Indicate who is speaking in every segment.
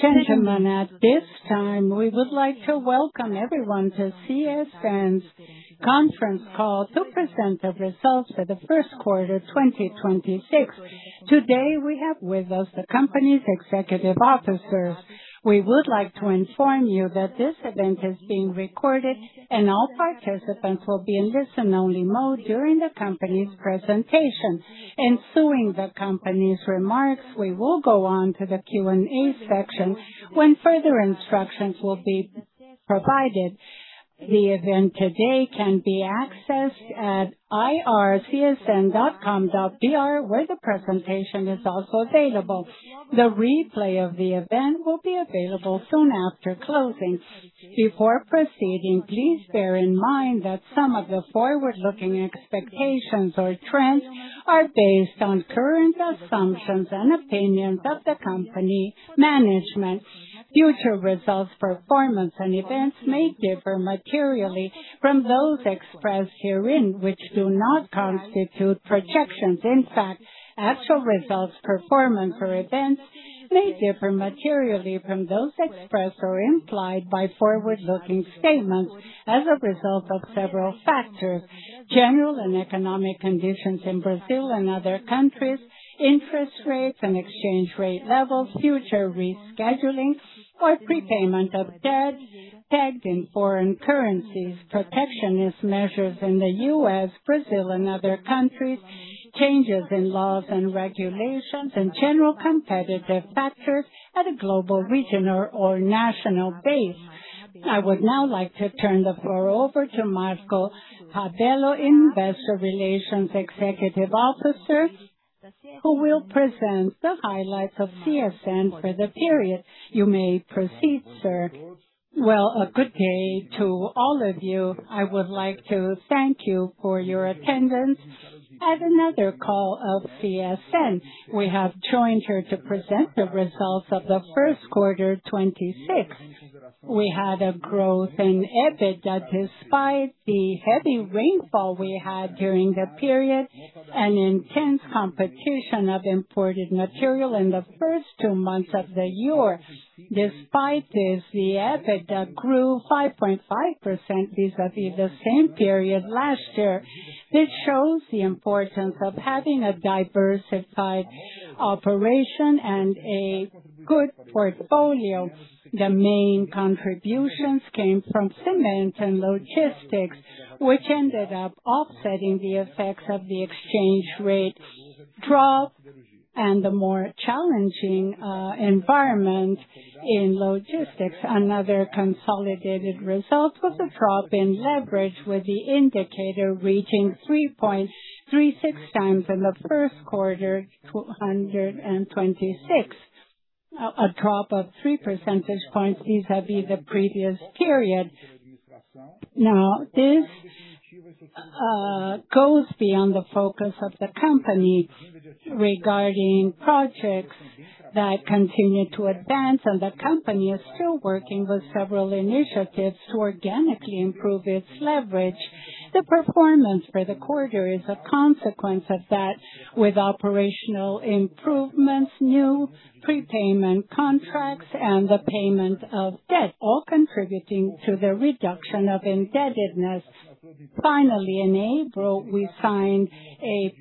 Speaker 1: Gentlemen, at this time, we would like to welcome everyone to CSN's conference call to present the results for the 1st quarter, 2026. Today, we have with us the company's executive officers. We would like to inform you that this event is being recorded, and all participants will be in listen-only mode during the company's presentation. Ensuing the company's remarks, we will go on to the Q&A section when further instructions will be provided. The event today can be accessed at ri.csn.com.br, where the presentation is also available. The replay of the event will be available soon after closing. Before proceeding, please bear in mind that some of the forward-looking expectations or trends are based on current assumptions and opinions of the company management. Future results, performance, and events may differ materially from those expressed herein, which do not constitute projections. In fact, actual results, performance or events may differ materially from those expressed or implied by forward-looking statements as a result of several factors. General and economic conditions in Brazil and other countries, interest rates and exchange rate levels, future rescheduling or prepayment of debt in foreign currencies, protectionist measures in the U.S., Brazil, and other countries, changes in laws and regulations and general competitive factors at a global, regional, or national basis. I would now like to turn the floor over to Marco Rabello, Investor Relations Executive Officer, who will present the highlights of CSN for the period. You may proceed, sir.
Speaker 2: Well, a good day to all of you. I would like to thank you for your attendance at another call of CSN. We have joined here to present the results of the Q1, 2026. We had a growth in EBITDA despite the heavy rainfall we had during the period and intense competition of imported material in the first two months of the year. Despite this, the EBITDA grew 5.5% vis-a-vis the same period last year. This shows the importance of having a diversified operation and a good portfolio. The main contributions came from cement and logistics, which ended up offsetting the effects of the exchange rate drop and the more challenging environment in logistics. Another consolidated result was a drop in leverage, with the indicator reaching 3.36× in the Q1 2026. A drop of three percentage points vis-a-vis the previous period. This goes beyond the focus of the company regarding projects that continue to advance, and the company is still working with several initiatives to organically improve its leverage. The performance for the quarter is a consequence of that, with operational improvements, new prepayment contracts and the payment of debt all contributing to the reduction of indebtedness. Finally, in April, we signed a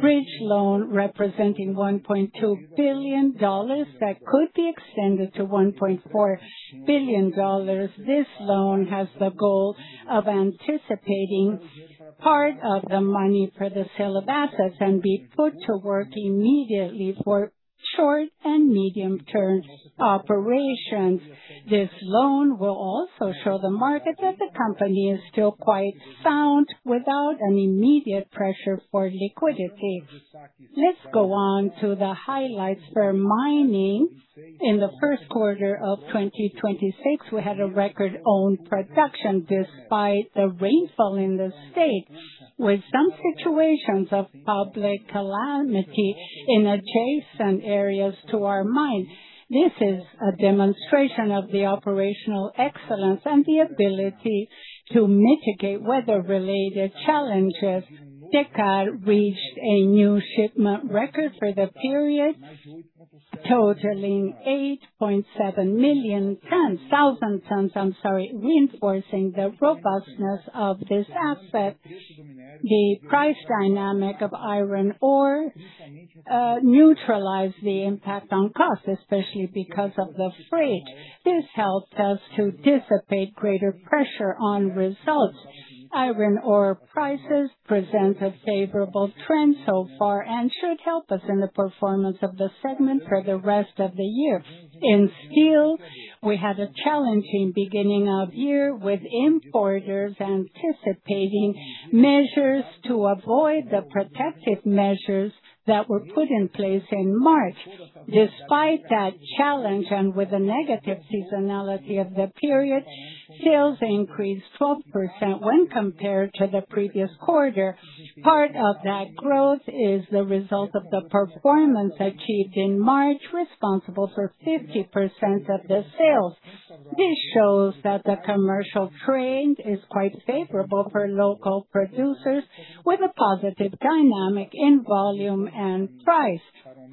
Speaker 2: bridge loan representing $1.2 billion that could be extended to $1.4 billion. This loan has the goal of anticipating part of the money for the sale of assets and be put to work immediately for short and medium-term operations. This loan will also show the market that the company is still quite sound without any immediate pressure for liquidity. Let's go on to the highlights for mining. In the Q1 of 2026, we had a record own production despite the rainfall in the state, with some situations of public calamity in adjacent areas to our mine. This is a demonstration of the operational excellence and the ability to mitigate weather-related challenges. Tecar reached a new shipment record for the period, totaling 8,700 tons, reinforcing the robustness of this asset. The price dynamic of iron ore neutralized the impact on cost, especially because of the freight. This helped us to dissipate greater pressure on results. Iron ore prices present a favorable trend so far and should help us in the performance of the segment for the rest of the year. In steel, we had a challenging beginning of year, with importers anticipating measures to avoid the protective measures that were put in place in March. Despite that challenge and with the negative seasonality of the period, sales increased 12% when compared to the previous quarter. Part of that growth is the result of the performance achieved in March, responsible for 50% of the sales. This shows that the commercial trend is quite favorable for local producers with a positive dynamic in volume and price.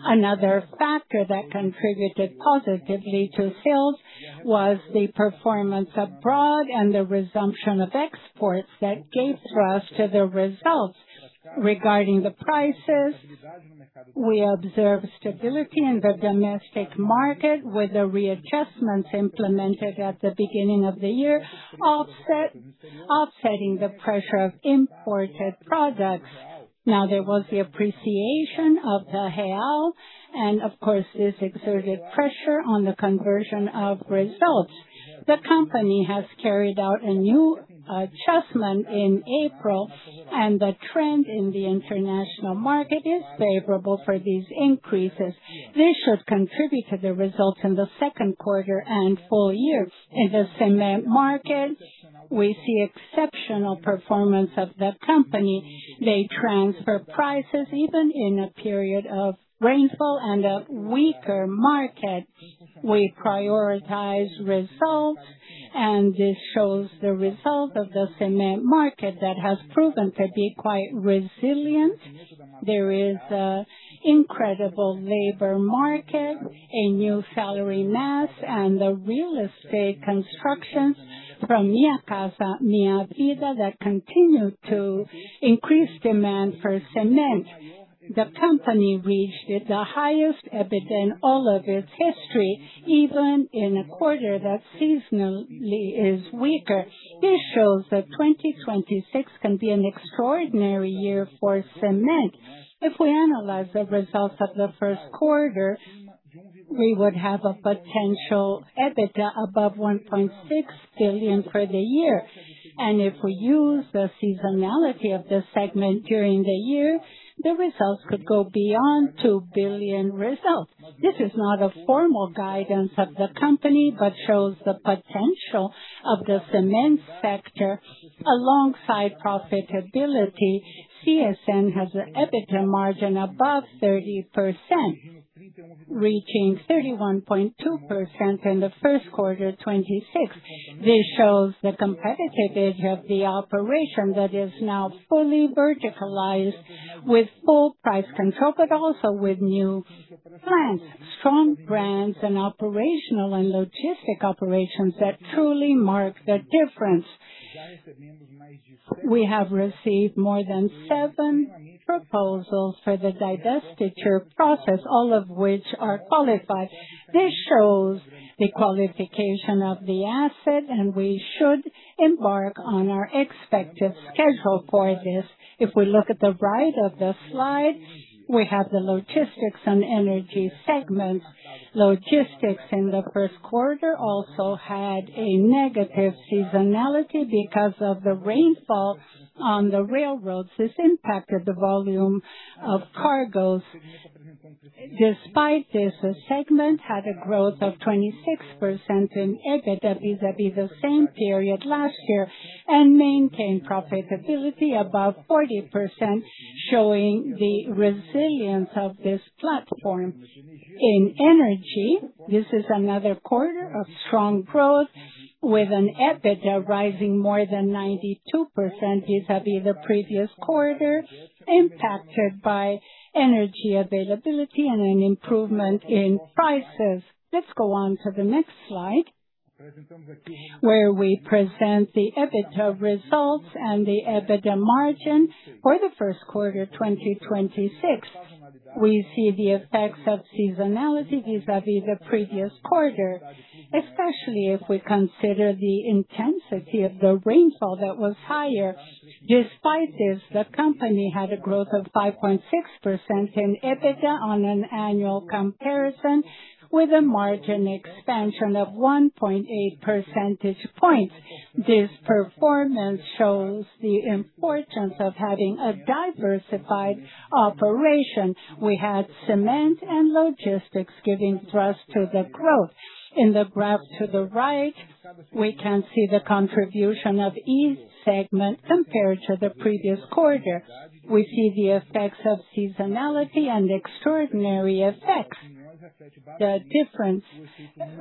Speaker 2: Another factor that contributed positively to sales was the performance abroad and the resumption of exports that gave thrust to the results. Regarding the prices, we observed stability in the domestic market with the readjustments implemented at the beginning of the year offsetting the pressure of imported products. There was the appreciation of the Real, and of course, this exerted pressure on the conversion of results. The company has carried out a new adjustment in April, and the trend in the international market is favorable for these increases. This should contribute to the results in the Q2 and full year. In the cement market, we see exceptional performance of the company. They transfer prices even in a period of rainfall and a weaker market. We prioritize results, and this shows the result of the cement market that has proven to be quite resilient. There is incredible labor market, a new salary mass and the real estate constructions from Minha Casa, Minha Vida that continue to increase demand for cement. The company reached the highest EBITDA in all of its history, even in a quarter that seasonally is weaker. This shows that 2026 can be an extraordinary year for cement. If we analyze the results of the Q1, we would have a potential EBITDA above 1.6 billion for the year. If we use the seasonality of this segment during the year, the results could go beyond 2 billion results. This is not a formal guidance of the company, but shows the potential of the cement sector. Alongside profitability, CSN has an EBITDA margin above 30%, reaching 31.2% in the Q1, 2026. This shows the competitive edge of the operation that is now fully verticalized with full price control, but also with new brands, strong brands and operational and logistic operations that truly mark the difference. We have received more than seven proposals for the divestiture process, all of which are qualified. This shows the qualification of the asset, and we should embark on our expected schedule for this. If we look at the right of the slide, we have the logistics and energy segments. Logistics in the Q1 also had a negative seasonality because of the rainfall on the railroads. This impacted the volume of cargoes. Despite this, the segment had a growth of 26% in EBITDA vis-a-vis the same period last year and maintained profitability above 40%, showing the resilience of this platform. In energy, this is another quarter of strong growth with an EBITDA rising more than 92% vis-a-vis the previous quarter, impacted by energy availability and an improvement in prices. Let's go on to the next slide, where we present the EBITDA results and the EBITDA margin for the Q1 2026. We see the effects of seasonality vis-a-vis the previous quarter, especially if we consider the intensity of the rainfall that was higher. Despite this, the company had a growth of 5.6% in EBITDA on an annual comparison with a margin expansion of 1.8 percentage points. This performance shows the importance of having a diversified operation. We had cement and logistics giving thrust to the growth. In the graph to the right, we can see the contribution of each segment compared to the previous quarter. We see the effects of seasonality and extraordinary effects. The difference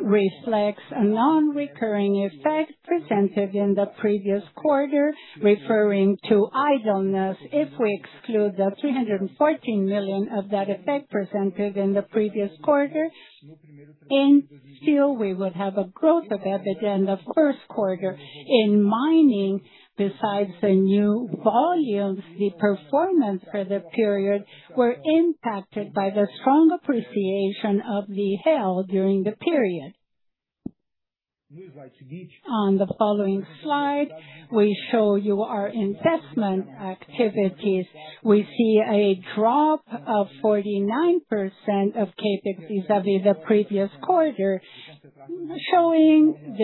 Speaker 2: reflects a non-recurring effect presented in the previous quarter, referring to idleness. If we exclude the 314 million of that effect presented in the previous quarter, and still we would have a growth of EBITDA in the Q1. In mining, besides the new volumes, the performance for the period were impacted by the strong appreciation of the Real during the period. On the following slide, we show you our investment activities. We see a drop of 49% of CapEx vis-a-vis the previous quarter, showing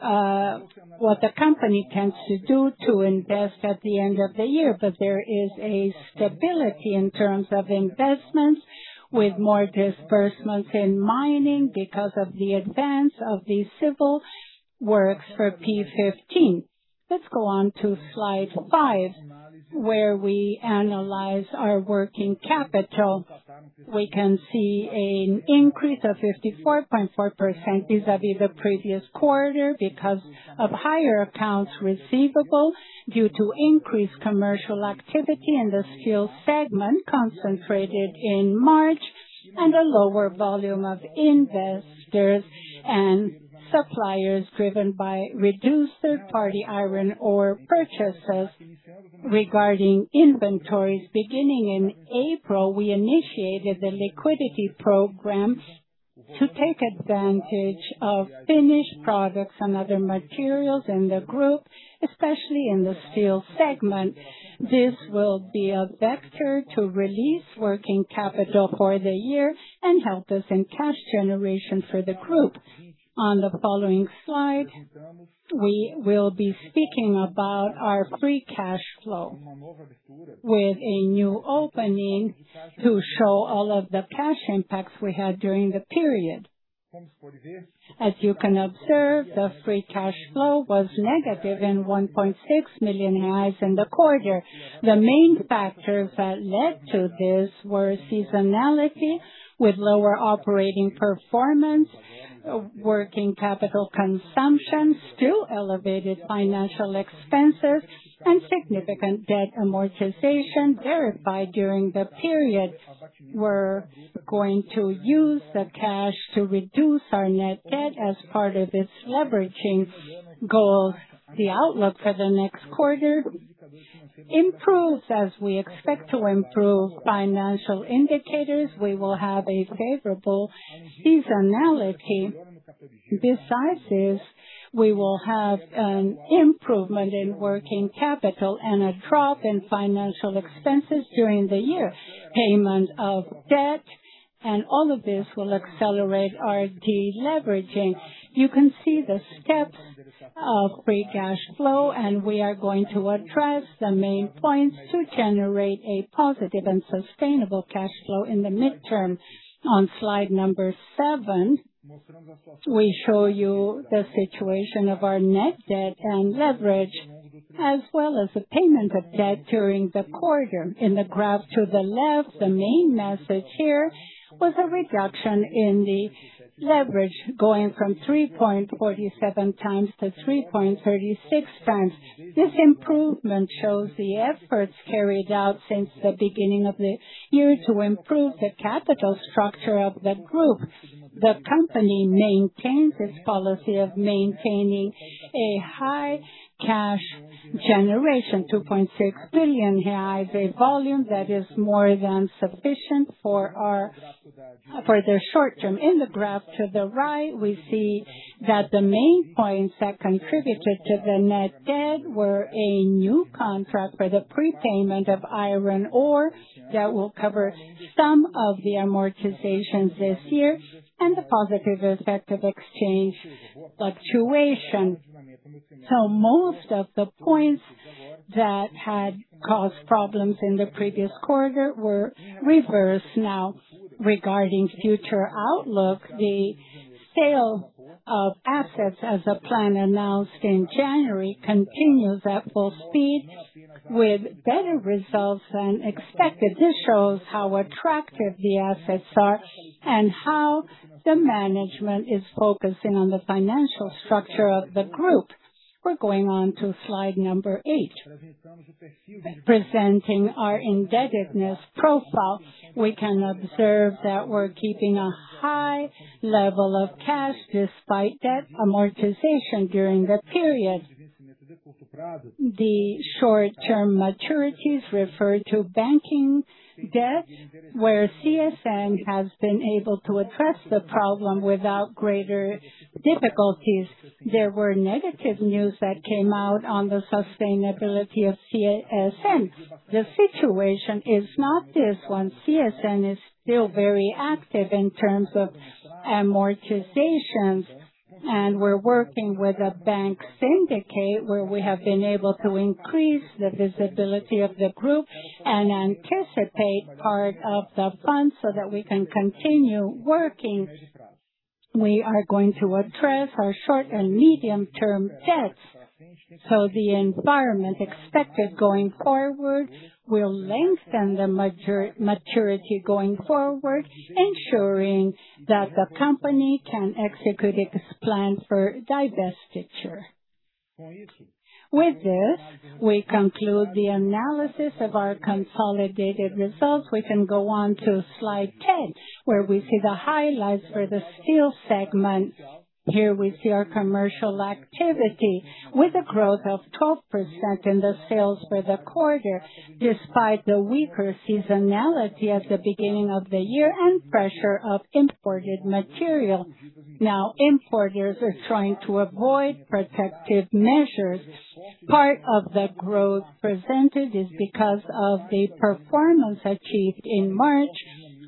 Speaker 2: what the company tends to do to invest at the end of the year. There is a stability in terms of investments with more disbursements in mining because of the advance of the civil works for P15. Let's go on to slide five, where we analyze our working capital. We can see an increase of 54.4% vis-a-vis the previous quarter because of higher accounts receivable due to increased commercial activity in the steel segment concentrated in March. A lower volume of investors and suppliers driven by reduced third-party iron ore purchases. Regarding inventories, beginning in April, we initiated the liquidity programs to take advantage of finished products and other materials in the group, especially in the steel segment. This will be a vector to release working capital for the year and help us in cash generation for the group. On the following slide, we will be speaking about our free cash flow with a new opening to show all of the cash impacts we had during the period. As you can observe, the free cash flow was negative in 1.6 million in the quarter. The main factors that led to this were seasonality with lower operating performance, working capital consumption, still elevated financial expenses and significant debt amortization verified during the period. We're going to use the cash to reduce our net debt as part of its deleveraging goal. The outlook for the next quarter improves as we expect to improve financial indicators. We will have a favorable seasonality. Besides this, we will have an improvement in working capital and a drop in financial expenses during the year. Payment of debt and all of this will accelerate our deleveraging. You can see the steps of free cash flow and we are going to address the main points to generate a positive and sustainable cash flow in the midterm. On slide number seven, we show you the situation of our net debt and leverage as well as the payment of debt during the quarter. In the graph to the left, the main message here was a reduction in the leverage going from 3.47×-3.36×. This improvement shows the efforts carried out since the beginning of the year to improve the capital structure of the group. The company maintains its policy of maintaining a high cash generation, 2.6 billion reais, a volume that is more than sufficient for the short term. In the graph to the right, we see that the main points that contributed to the net debt were a new contract for the prepayment of iron ore that will cover some of the amortizations this year and the positive effect of exchange fluctuation. Most of the points that had caused problems in the previous quarter were reversed now. Regarding future outlook, the sale of assets as a plan announced in January continues at full speed with better results than expected. This shows how attractive the assets are and how the management is focusing on the financial structure of the group. We're going on to slide number eight. Presenting our indebtedness profile, we can observe that we're keeping a high level of cash despite debt amortization during the period. The short term maturities refer to banking debt, where CSN has been able to address the problem without greater difficulties. There were negative news that came out on the sustainability of CSN. The situation is not this one. CSN is still very active in terms of amortizations and we're working with a bank syndicate where we have been able to increase the visibility of the group and anticipate part of the funds so that we can continue working. We are going to address our short and medium term debts. The environment expected going forward will lengthen the maturity going forward, ensuring that the company can execute its plan for divestiture. With this, we conclude the analysis of our consolidated results. We can go on to slide 10, where we see the highlights for the steel segment. Here we see our commercial activity with a growth of 12% in the sales for the quarter, despite the weaker seasonality at the beginning of the year and pressure of imported material. Importers are trying to avoid protective measures. Part of the growth presented is because of the performance achieved in March,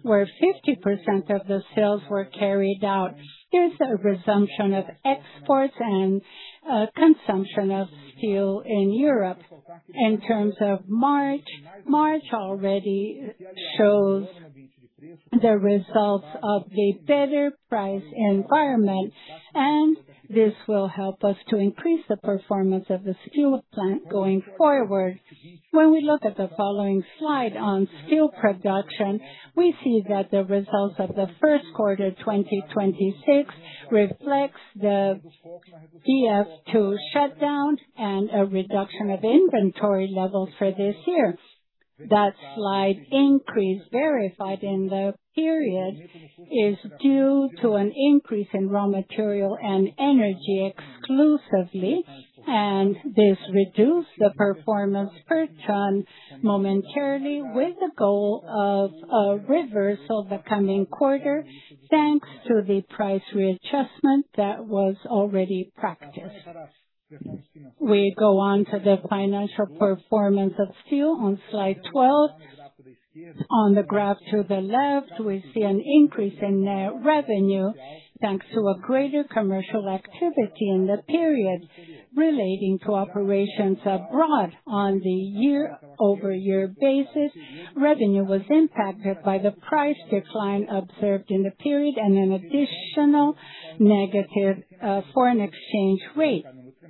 Speaker 2: where 50% of the sales were carried out. There's a resumption of exports and consumption of steel in Europe. March already shows the results of the better price environment, and this will help us to increase the performance of the steel plant going forward. When we look at the following slide on steel production, we see that the results of the Q1, 2026 reflects the BF2 shutdown and a reduction of inventory levels for this year. That slight increase verified in the period is due to an increase in raw material and energy exclusively, and this reduced the performance per ton momentarily with the goal of a reversal the coming quarter, thanks to the price readjustment that was already practiced. We go on to the financial performance of steel on slide 12. On the graph to the left, we see an increase in net revenue, thanks to a greater commercial activity in the period relating to operations abroad. On the year-over-year basis, revenue was impacted by the price decline observed in the period and an additional negative foreign exchange rate.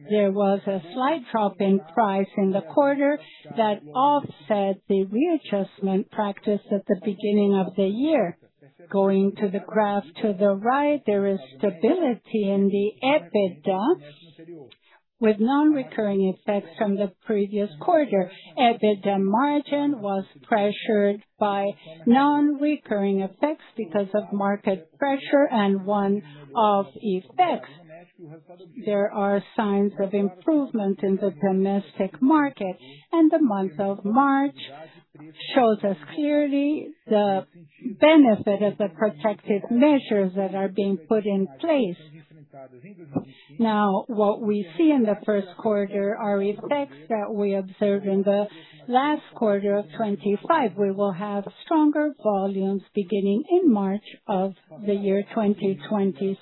Speaker 2: There was a slight drop in price in the quarter that offset the readjustment practiced at the beginning of the year. Going to the graph to the right, there is stability in the EBITDA with non-recurring effects from the previous quarter. EBITDA margin was pressured by non-recurring effects because of market pressure and one-off effects. There are signs of improvement in the domestic market, and the month of March shows us clearly the benefit of the protective measures that are being put in place. What we see in the first quarter are effects that we observed in the last quarter of 25. We will have stronger volumes beginning in March of the year 2026.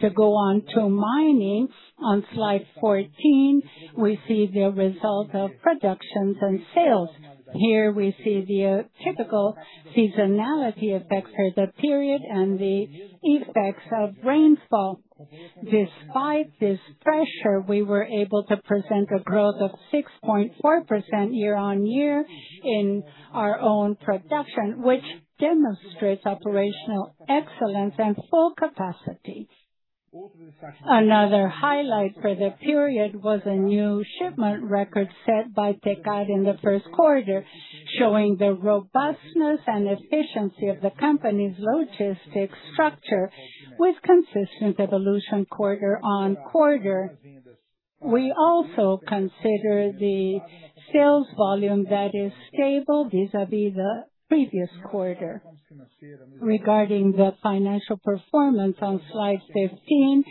Speaker 2: To go on to mining on slide 14, we see the result of productions and sales. Here we see the typical seasonality effects for the period and the effects of rainfall. Despite this pressure, we were able to present a growth of 6.4% year-on-year in our own production, which demonstrates operational excellence and full capacity. Another highlight for the period was a new shipment record set by Tecar in the Q1, showing the robustness and efficiency of the company's logistics structure with consistent evolution quarter-on-quarter. We also consider the sales volume that is stable vis-a-vis the previous quarter. Regarding the financial performance on slide 15,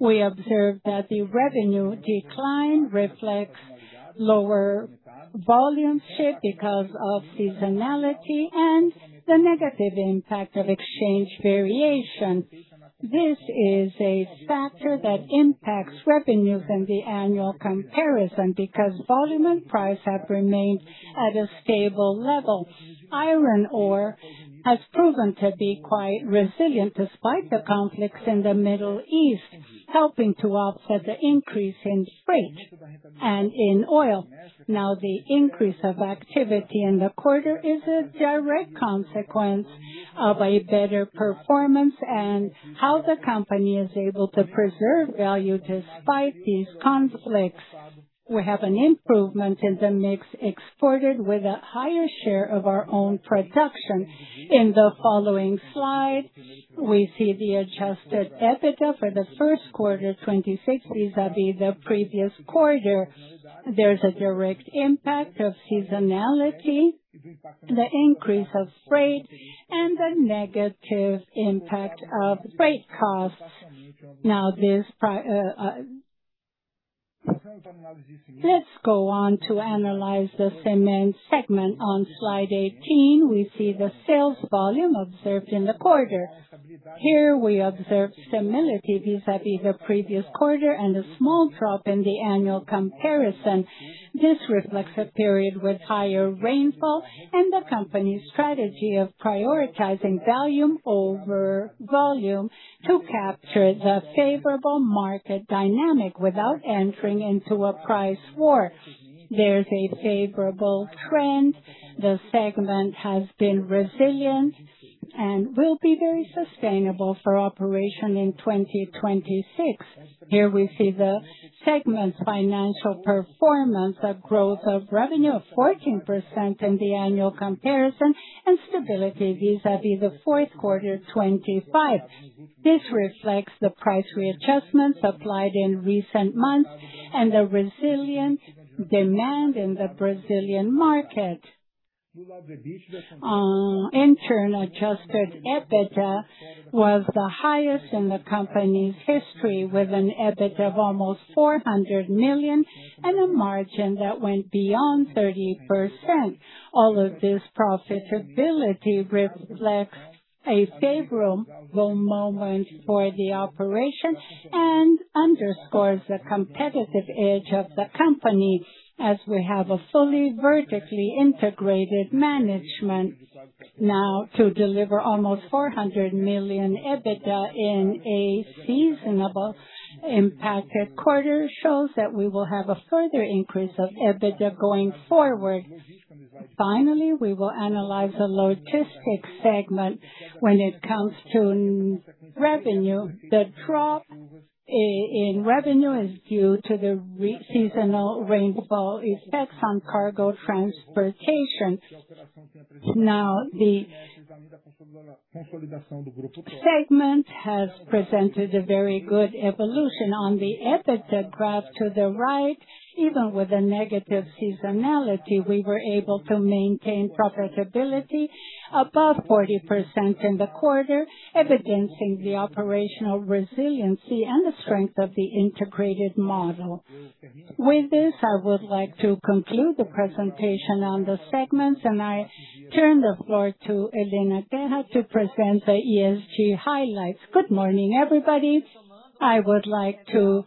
Speaker 2: we observe that the revenue decline reflects lower volume shipped because of seasonality and the negative impact of exchange variation. This is a factor that impacts revenues in the annual comparison because volume and price have remained at a stable level. Iron ore has proven to be quite resilient despite the conflicts in the Middle East, helping to offset the increase in freight and in oil. The increase of activity in the quarter is a direct consequence of a better performance and how the company is able to preserve value despite these conflicts. We have an improvement in the mix exported with a higher share of our own production. In the following slide, we see the adjusted EBITDA for the Q1 2060 vis-a-vis the previous quarter. There's a direct impact of seasonality, the increase of freight, and the negative impact of freight costs. Let's go on to analyze the cement segment. On slide 18, we see the sales volume observed in the quarter. Here we observe similarity vis-a-vis the previous quarter and a small drop in the annual comparison. This reflects a period with higher rainfall and the company's strategy of prioritizing volume to capture the favorable market dynamic without entering into a price war. There's a favorable trend. The segment has been resilient and will be very sustainable for operation in 2026. Here we see the segment's financial performance, a growth of revenue of 14% in the annual comparison and stability vis-a-vis the Q4 25. This reflects the price readjustments applied in recent months and the resilient demand in the Brazilian market. In turn, adjusted EBITDA was the highest in the company's history, with an EBITDA of almost 400 million and a margin that went beyond 30%. All of this profitability reflects a favorable moment for the operation and underscores the competitive edge of the company as we have a fully vertically integrated management. Now, to deliver almost 400 million EBITDA in a seasonable impacted quarter shows that we will have a further increase of EBITDA going forward. Finally, we will analyze the logistics segment when it comes to revenue. The drop in revenue is due to the seasonal rainfall effects on cargo transportation. Now, the segment has presented a very good evolution on the EBITDA graph to the right. Even with the negative seasonality, we were able to maintain profitability above 40% in the quarter, evidencing the operational resiliency and the strength of the integrated model. With this, I would like to conclude the presentation on the segments, and I turn the floor to Helena Guerra to present the ESG highlights.
Speaker 3: Good morning, everybody. I would like to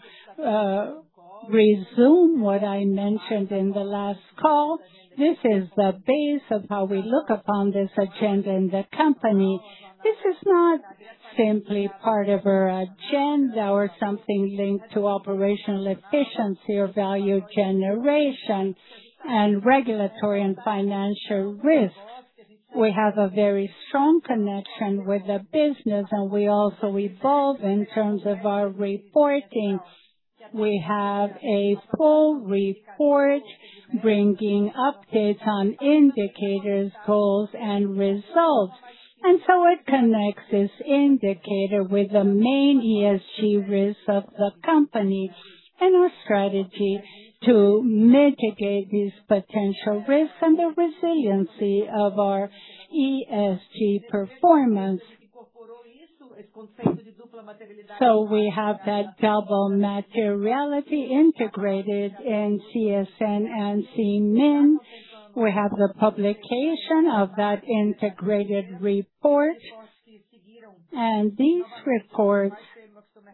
Speaker 3: resume what I mentioned in the last call. This is the base of how we look upon this agenda in the company. This is not simply part of our agenda or something linked to operational efficiency or value generation and regulatory and financial risk. We have a very strong connection with the business, and we also evolve in terms of our reporting. We have a full report bringing updates on indicators, goals, and results. It connects this indicator with the main ESG risks of the company and our strategy to mitigate these potential risks and the resiliency of our ESG performance. We have that double materiality integrated in CSN and Cement. We have the publication of that integrated report. These reports,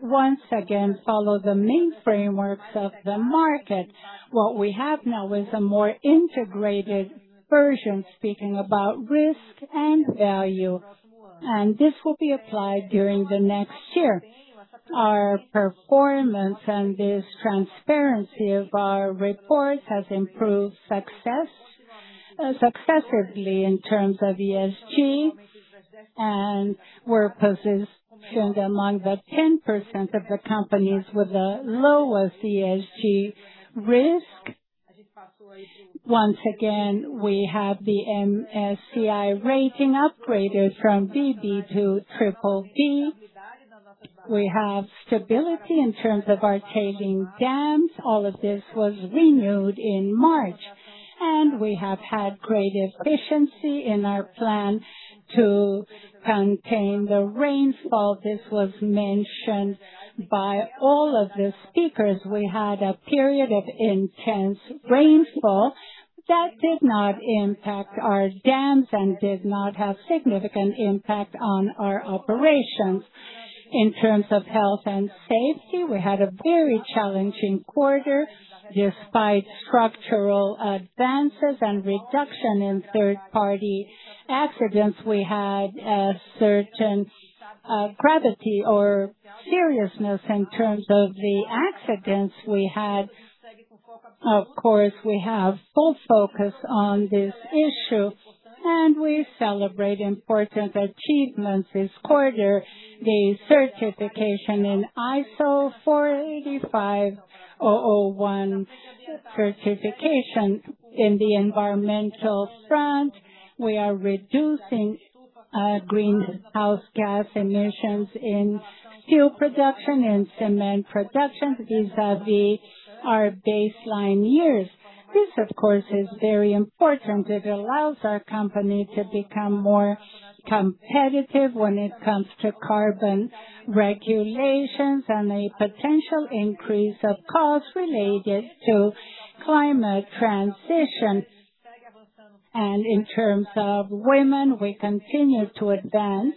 Speaker 3: once again, follow the main frameworks of the market. What we have now is a more integrated version speaking about risk and value. This will be applied during the next year. Our performance and this transparency of our report has improved successively in terms of ESG. We're positioned among the 10% of the companies with the lowest ESG risk. Once again, we have the MSCI rating upgraded from BB to triple B. We have stability in terms of our tailing dams. All of this was renewed in March. We have had great efficiency in our plan to contain the rainfall. This was mentioned by all of the speakers. We had a period of intense rainfall that did not impact our dams and did not have significant impact on our operations. In terms of health and safety, we had a very challenging quarter. Despite structural advances and reduction in third-party accidents, we had a certain gravity or seriousness in terms of the accidents we had. Of course, we have full focus on this issue. We celebrate important achievements this quarter, the certification in ISO 45001 certification. In the environmental front, we are reducing greenhouse gas emissions in steel production and cement production vis-à-vis our baseline years. This, of course, is very important. It allows our company to become more competitive when it comes to carbon regulations and a potential increase of costs related to climate transition. In terms of women, we continue to advance.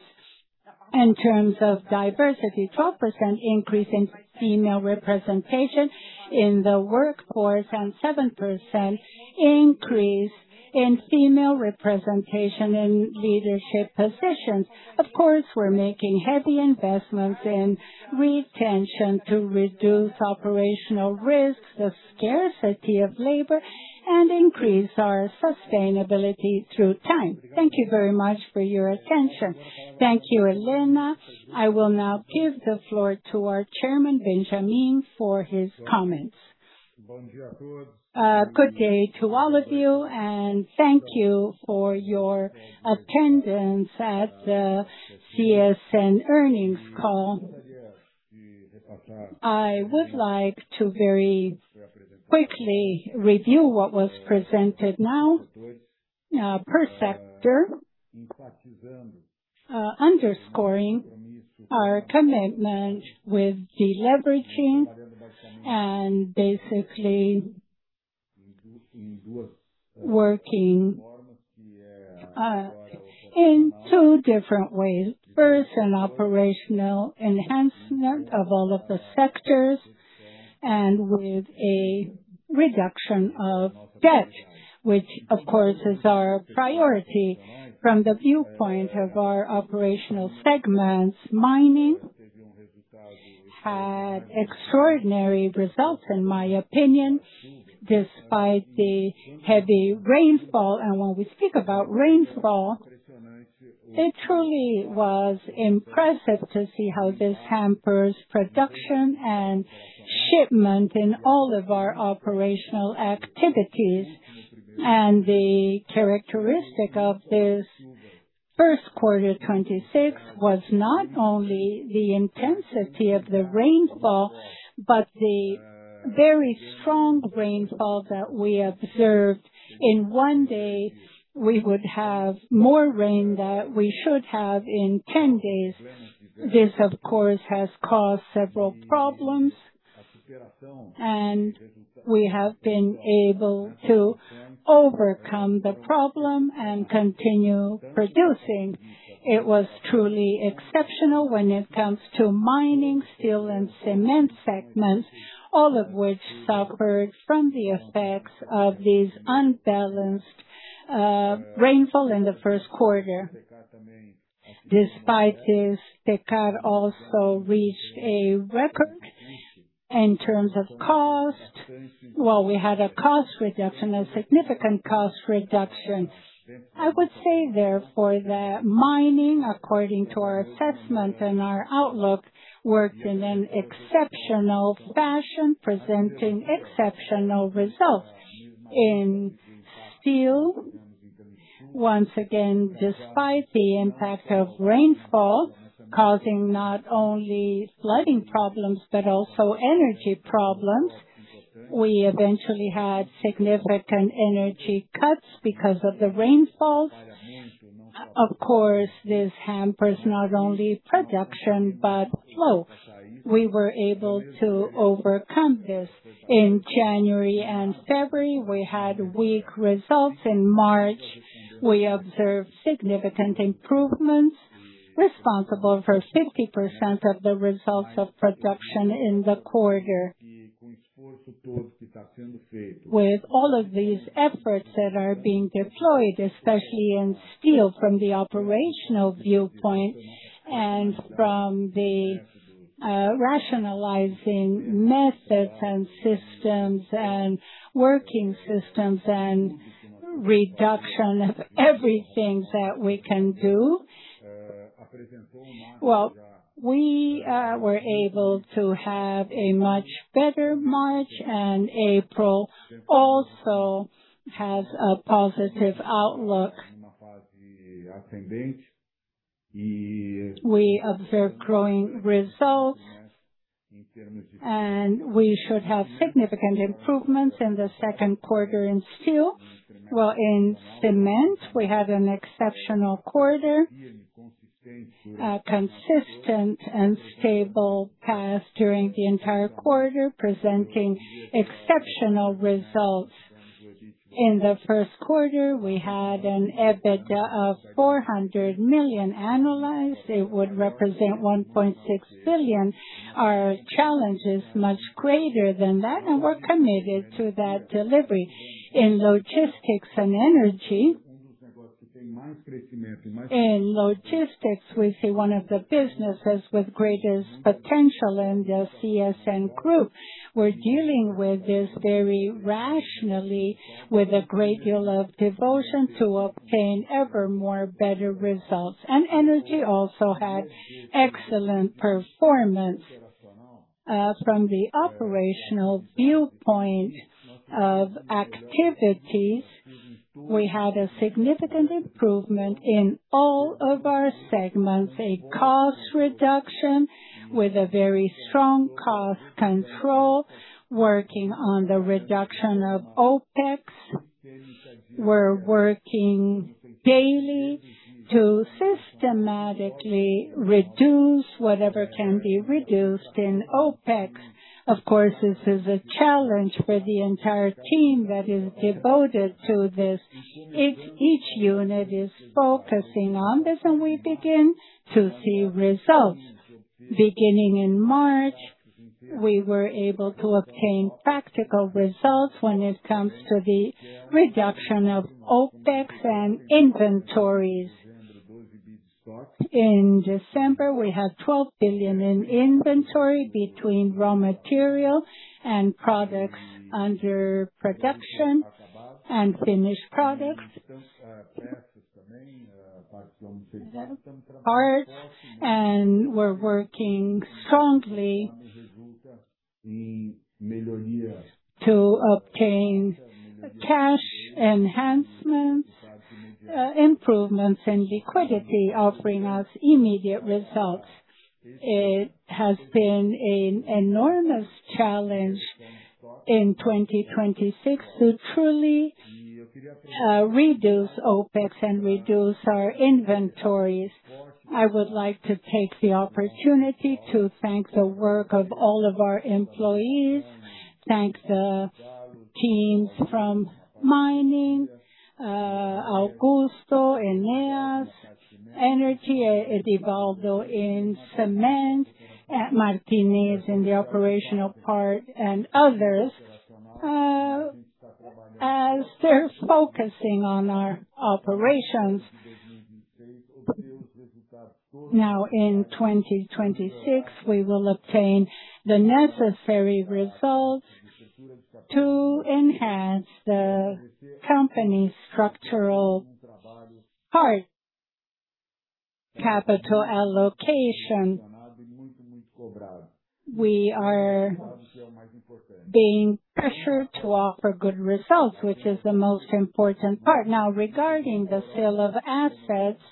Speaker 3: In terms of diversity, 12% increase in female representation in the workforce and seven percent increase in female representation in leadership positions. Of course, we're making heavy investments in retention to reduce operational risks, the scarcity of labor, and increase our sustainability through time. Thank you very much for your attention.
Speaker 2: Thank you, Helena. I will now give the floor to our Chairman, Benjamin, for his comments.
Speaker 4: Good day to all of you, and thank you for your attendance at the CSN earnings call. I would like to very quickly review what was presented now, per sector, underscoring our commitment with deleveraging and basically working in two different ways. First, an operational enhancement of all of the sectors and with a reduction of debt, which of course is our priority from the viewpoint of our operational segments. Mining had extraordinary results, in my opinion, despite the heavy rainfall. When we speak about rainfall, it truly was impressive to see how this hampers production and shipment in all of our operational activities. The characteristic of thisQ1 26 was not only the intensity of the rainfall, but the very strong rainfall that we observed. In one day, we would have more rain that we should have in 10 days. This, of course, has caused several problems, and we have been able to overcome the problem and continue producing. It was truly exceptional when it comes to mining, steel and cement segments, all of which suffered from the effects of this unbalanced rainfall in the first quarter. Despite this, Tecar also reached a record in terms of cost. We had a cost reduction, a significant cost reduction. I would say, therefore, that mining, according to our assessment and our outlook, worked in an exceptional fashion, presenting exceptional results. In steel, once again, despite the impact of rainfall causing not only flooding problems, but also energy problems, we eventually had significant energy cuts because of the rainfalls. Of course, this hampers not only production, but flow. We were able to overcome this. In January and February, we had weak results. In March, we observed significant improvements responsible for 50% of the results of production in the quarter. With all of these efforts that are being deployed, especially in steel from the operational viewpoint and from the rationalizing methods and systems and working systems and reduction of everything that we can do. We were able to have a much better March and April also has a positive outlook. We observe growing results. We should have significant improvements in the second quarter in steel. Well, in cement we had an exceptional quarter, a consistent and stable path during the entire quarter presenting exceptional results. In the Q1 we had an EBITDA of 400 million analyzed. It would represent 1.6 billion. Our challenge is much greater than that. We're committed to that delivery. In logistics, we see one of the businesses with greatest potential in the CSN group. We're dealing with this very rationally, with a great deal of devotion to obtain ever more better results. Energy also had excellent performance. From the operational viewpoint of activities, we had a significant improvement in all of our segments. A cost reduction with a very strong cost control, working on the reduction of OpEx. We're working daily to systematically reduce whatever can be reduced in OpEx. This is a challenge for the entire team that is devoted to this. Each unit is focusing on this. We begin to see results. Beginning in March, we were able to obtain practical results when it comes to the reduction of OpEx and inventories. In December, we had 12 billion in inventory between raw material and products under production and finished products. Parts. We're working strongly to obtain cash enhancements, improvements in liquidity, offering us immediate results. It has been an enormous challenge in 2026 to truly reduce OpEx and reduce our inventories. I would like to take the opportunity to thank the work of all of our employees. Thanks the teams from mining, Augusto, Aeneas, Energy, Edvaldo in Cement, Martinez in the operational part and others, as they're focusing on our operations. In 2026, we will obtain the necessary results to enhance the company's structural part. Capital allocation. We are being pressured to offer good results, which is the most important part. Regarding the sale of assets,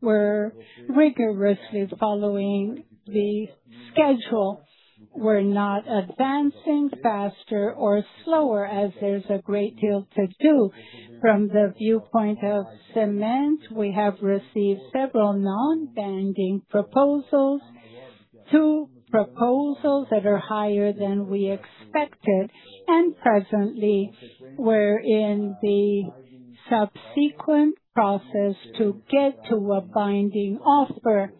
Speaker 4: we're rigorously following the schedule. We're not advancing faster or slower as there's a great deal to do. From the viewpoint of cement, we have received several non-binding proposals. Two proposals that are higher than we expected, and presently, we're in the subsequent process to get to a binding offer.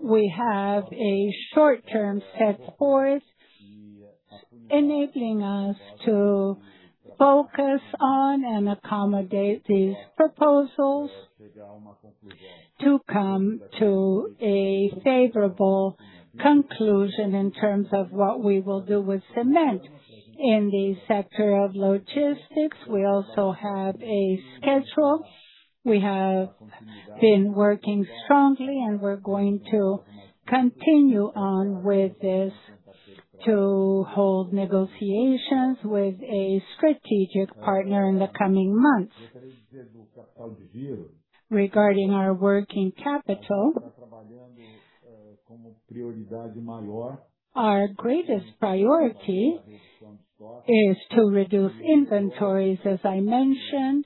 Speaker 4: We have a short-term set forth enabling us to focus on and accommodate these proposals to come to a favorable conclusion in terms of what we will do with cement. In the sector of logistics, we also have a schedule. We have been working strongly, and we're going to continue on with this to hold negotiations with a strategic partner in the coming months. Regarding our working capital, our greatest priority is to reduce inventories, as I mentioned,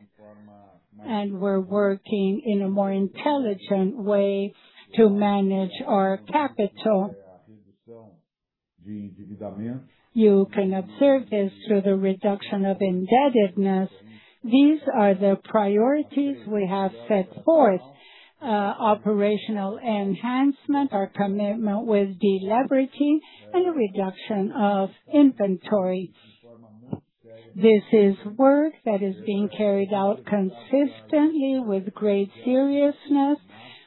Speaker 4: and we're working in a more intelligent way to manage our capital. You can observe this through the reduction of indebtedness. These are the priorities we have set forth: operational enhancement, our commitment with delivery, and a reduction of inventory. This is work that is being carried out consistently with great seriousness,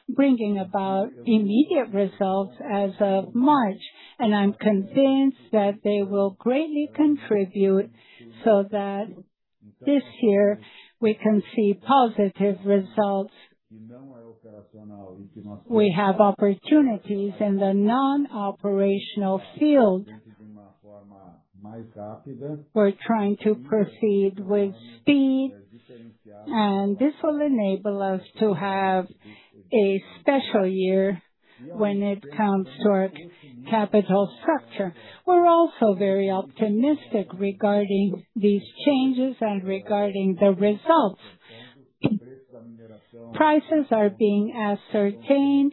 Speaker 4: bringing about immediate results as of March, and I'm convinced that they will greatly contribute so that this year we can see positive results. We have opportunities in the non-operational field. We're trying to proceed with speed. This will enable us to have a special year when it comes to our capital structure. We're also very optimistic regarding these changes and regarding the results. Prices are being ascertained.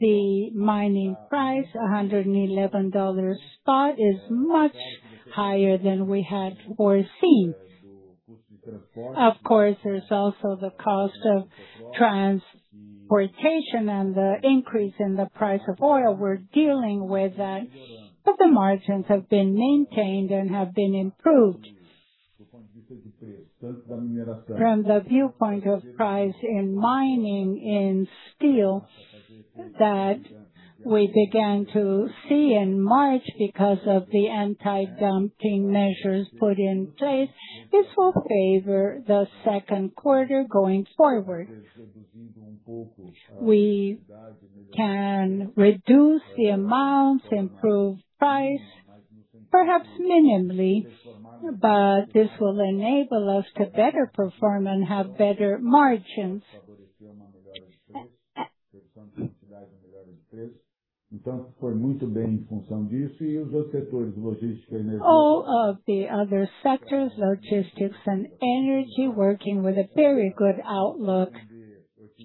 Speaker 4: The mining price, $111 spot, is much higher than we had foreseen. Of course, there's also the cost of transportation and the increase in the price of oil. We're dealing with that. The margins have been maintained and have been improved. From the viewpoint of price in mining in steel that we began to see in March because of the anti-dumping measures put in place, this will favor the Q2 going forward. We can reduce the amounts, improve price, perhaps minimally. This will enable us to better perform and have better margins. All of the other sectors, logistics and energy, working with a very good outlook.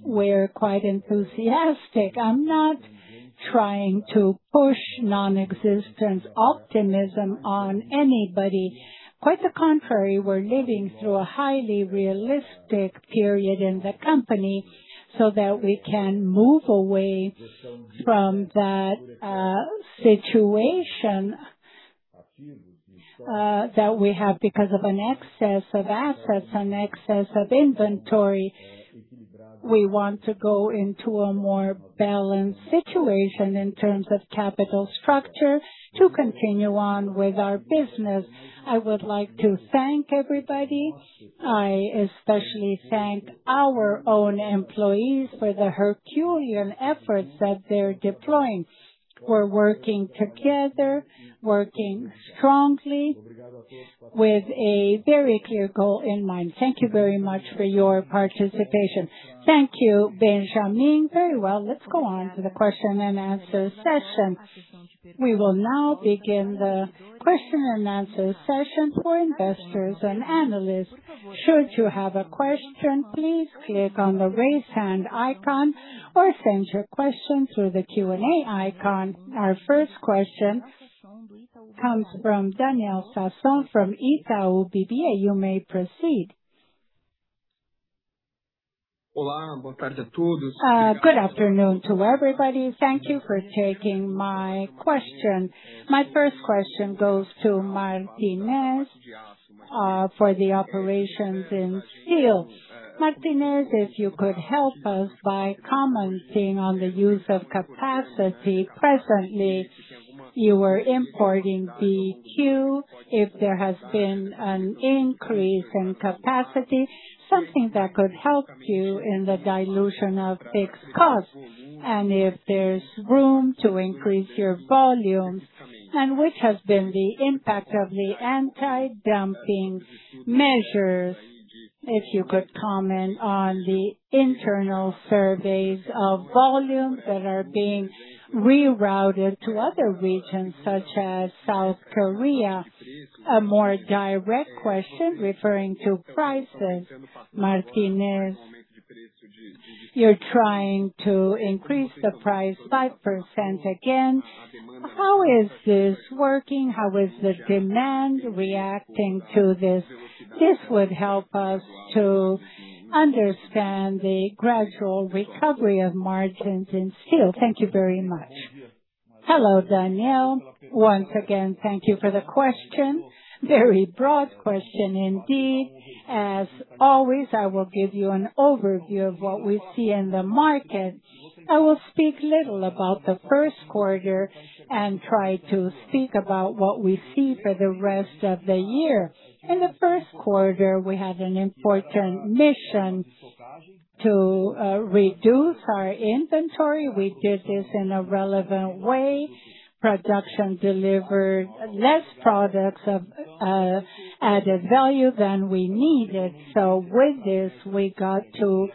Speaker 4: We're quite enthusiastic. I'm not trying to push non-existent optimism on anybody. Quite the contrary, we're living through a highly realistic period in the company so that we can move away from that situation that we have because of an excess of assets, an excess of inventory. We want to go into a more balanced situation in terms of capital structure to continue on with our business. I would like to thank everybody. I especially thank our own employees for the herculean efforts that they're deploying. We're working together, working strongly with a very clear goal in mind. Thank you very much for your participation.
Speaker 1: Thank you, Benjamin. Very well. Let's go on to the question and answer session. We will now begin the question and answer session for investors and analysts. Should you have a question, please click on the Raise Hand icon or send your question through the Q&A icon. Our first question comes from Daniel Sasson from Itaú BBA. You may proceed.
Speaker 5: Good afternoon to everybody. Thank you for taking my question. My first question goes to Martinez for the operations in steel. Martinez, if you could help us by commenting on the use of capacity. Presently, you were importing BQ, if there has been an increase in capacity, something that could help you in the dilution of fixed costs, and if there's room to increase your volumes. Which has been the impact of the anti-dumping measures? If you could comment on the internal surveys of volumes that are being rerouted to other regions such as South Korea. A more direct question referring to prices. Martinez, you're trying to increase the price five percent again. How is this working? How is the demand reacting to this? This would help us to understand the gradual recovery of margins in steel. Thank you very much.
Speaker 6: Hello, Daniel. Once again, thank you for the question. Very broad question indeed. As always, I will give you an overview of what we see in the market. I will speak little about the Q1 and try to speak about what we see for the rest of the year. In the first quarter, we had an important mission to reduce our inventory. We did this in a relevant way. Production delivered less products of added value than we needed. With this, we got to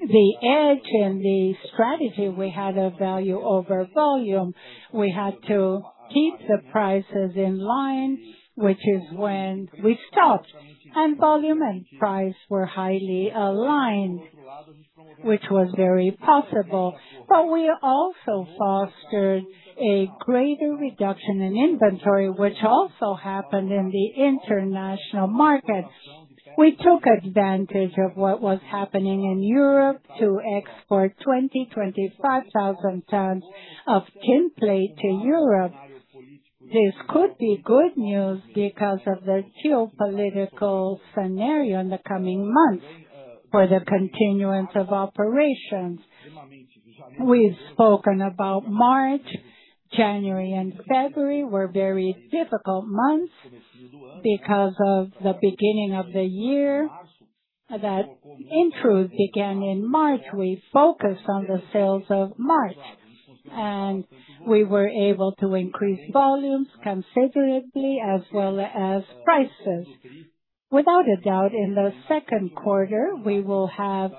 Speaker 6: the edge in the strategy. We had a value over volume. We had to keep the prices in line, which is when we stopped. Volume and price were highly aligned, which was very possible. We also fostered a greater reduction in inventory, which also happened in the international market. We took advantage of what was happening in Europe to export 20,000-25,000 tons of tinplate to Europe. This could be good news because of the geopolitical scenario in the coming months for the continuance of operations. We've spoken about March. January and February were very difficult months because of the beginning of the year. That in truth began in March. We focused on the sales of March. We were able to increase volumes considerably as well as prices. Without a doubt, in the Q2, we will have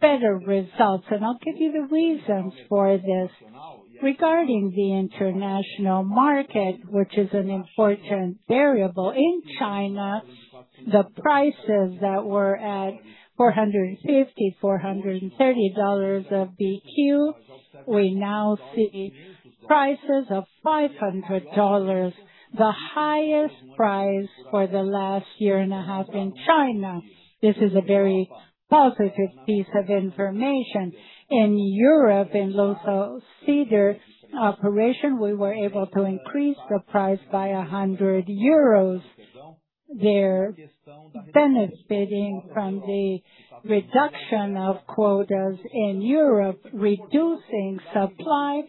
Speaker 6: better results. I'll give you the reasons for this. Regarding the international market, which is an important variable. In China, the prices that were at 450, BRL 430 of BQT, we now see prices of BRL 500, the highest price for the last one and a half years in China. This is a very positive piece of information. In Europe, in Lusosider operation, we were able to increase the price by 100 euros. They're benefiting from the reduction of quotas in Europe, reducing supply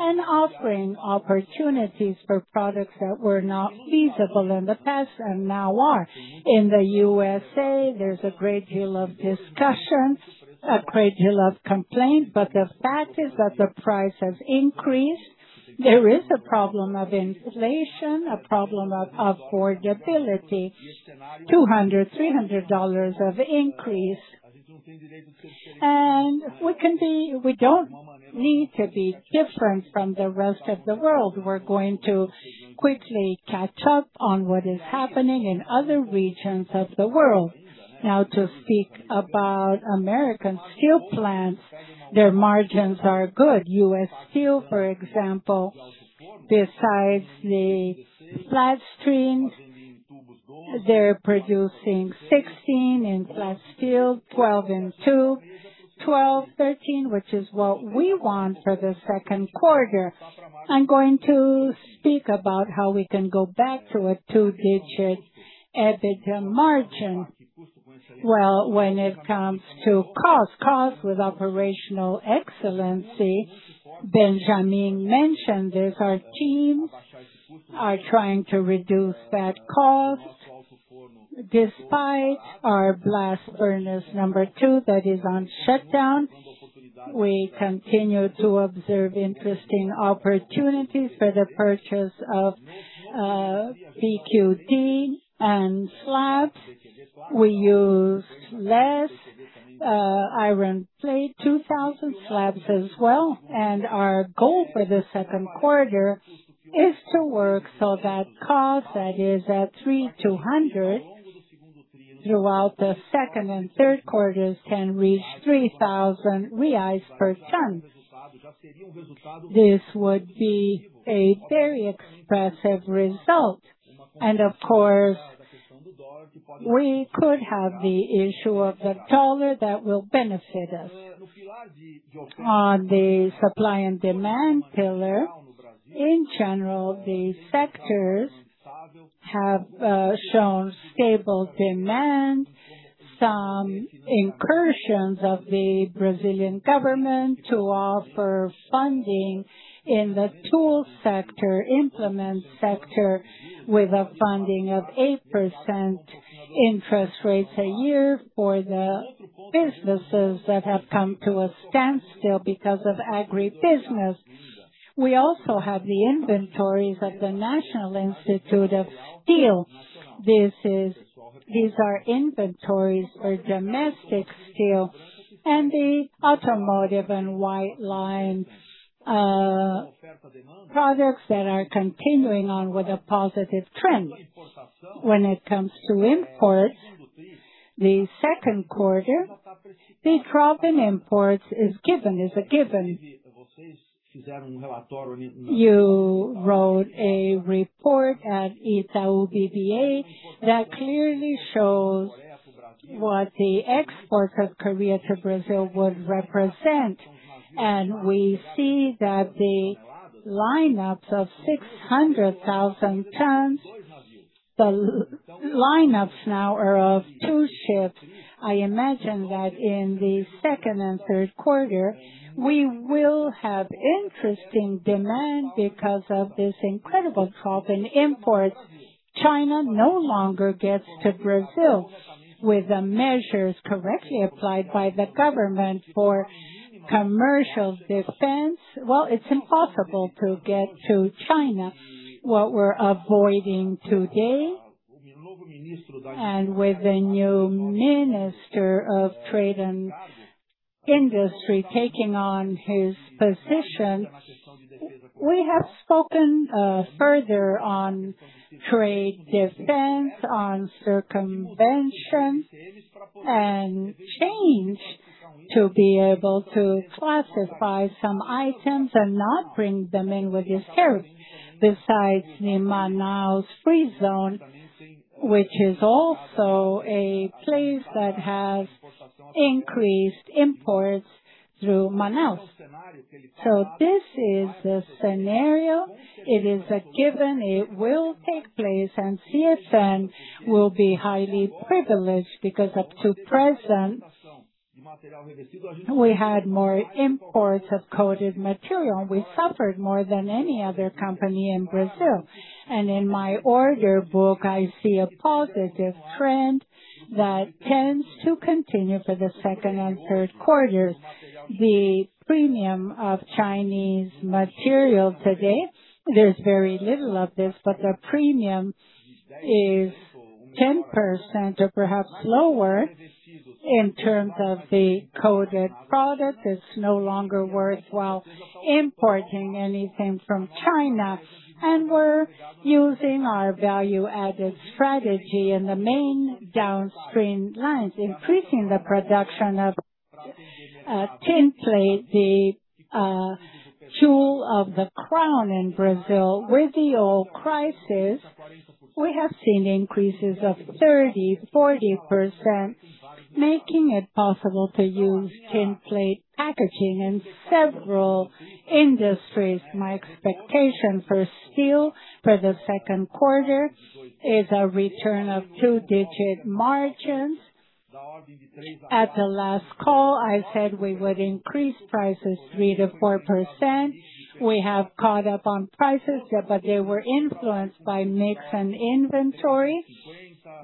Speaker 6: and offering opportunities for products that were not feasible in the past and now are. In the U.S., there's a great deal of discussion, a great deal of complaint, but the fact is that the price has increased. There is a problem of inflation, a problem of affordability, 200, BRL 300 of increase. We don't need to be different from the rest of the world. We're going to quickly catch up on what is happening in other regions of the world. To speak about American steel plants, their margins are good. US Steel, for example, besides the flat steels, they're producing 16% in flat steel, 12% in tube, 12%, 13%, which is what we want for the Q2. I'm going to speak about how we can go back to a two-digit EBITDA margin. When it comes to cost with operational excellency, Benjamin mentioned this, our teams are trying to reduce that cost. Despite our Blast Furnace number two that is on shutdown, we continue to observe interesting opportunities for the purchase of BQT and slabs. We used less tinplate, 2,000 slabs as well. Our goal for the Q2 is to work so that cost that is at 3,200 throughout the second and third quarters can reach 3,000 reais per ton. This would be a very expressive result. Of course, we could have the issue of the U.S. dollar that will benefit us. On the supply and demand pillar, in general, the sectors have shown stable demand. Some incursions of the Brazilian government to offer funding in the tool sector, implement sector, with a funding of eight percent interest rates a year for the businesses that have come to a standstill because of agribusiness. We also have the inventories at the Instituto Aço Brasil. These are inventories for domestic steel and the automotive and white line products that are continuing on with a positive trend. When it comes to imports, the Q2, the drop in imports is given. It's a given. You wrote a report at Itaú BBA that clearly shows what the exports of Korea to Brazil would represent. We see that the lineups of 600,000 tons, the lineups now are of two ships. I imagine that in the second and third quarter, we will have interesting demand because of this incredible drop in imports. China no longer gets to Brazil with the measures correctly applied by the government for commercial defense. Well, it's impossible to get to China. What we're avoiding today, and with the new Minister of Trade and Industry taking on his position, we have spoken further on trade defense, on circumvention and change to be able to classify some items and not bring them in with this tariff. Besides the Manaus Free Zone, which is also a place that has increased imports through Manaus. This is the scenario. It is a given. It will take place, and CSN will be highly privileged because up to present, we had more imports of coated material. We suffered more than any other company in Brazil. In my order book, I see a positive trend that tends to continue for the second and third quarters. The premium of Chinese material today, there's very little of this, but the premium is 10% or perhaps lower in terms of the coated product. It's no longer worthwhile importing anything from China. We're using our value-added strategy in the main downstream lines, increasing the production of tinplate, the jewel of the crown in Brazil. With the oil crisis, we have seen increases of 30%, 40%, making it possible to use tinplate packaging in several industries. My expectation for steel for the second quarter is a return of two-digit margins. At the last call, I said we would increase prices three-four percent. We have caught up on prices, yeah, but they were influenced by mix and inventory.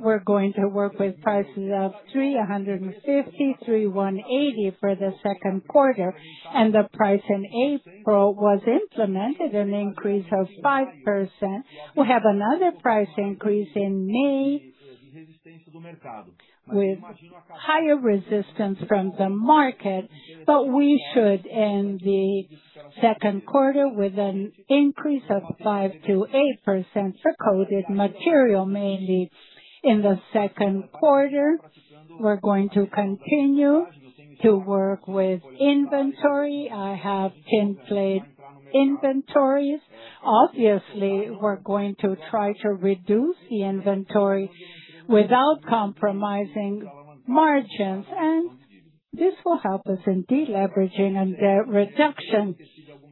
Speaker 6: We're going to work with prices of 350, 380 for the Q2, and the price in April was implemented an increase of five percent. We have another price increase in May with higher resistance from the market, but we should end the Q2 with an increase of five-eight percent for coated material, mainly. In the Q2, we're going to continue to work with inventory. I have tinplate inventories. Obviously, we're going to try to reduce the inventory without compromising margins, and this will help us in deleveraging and debt reduction.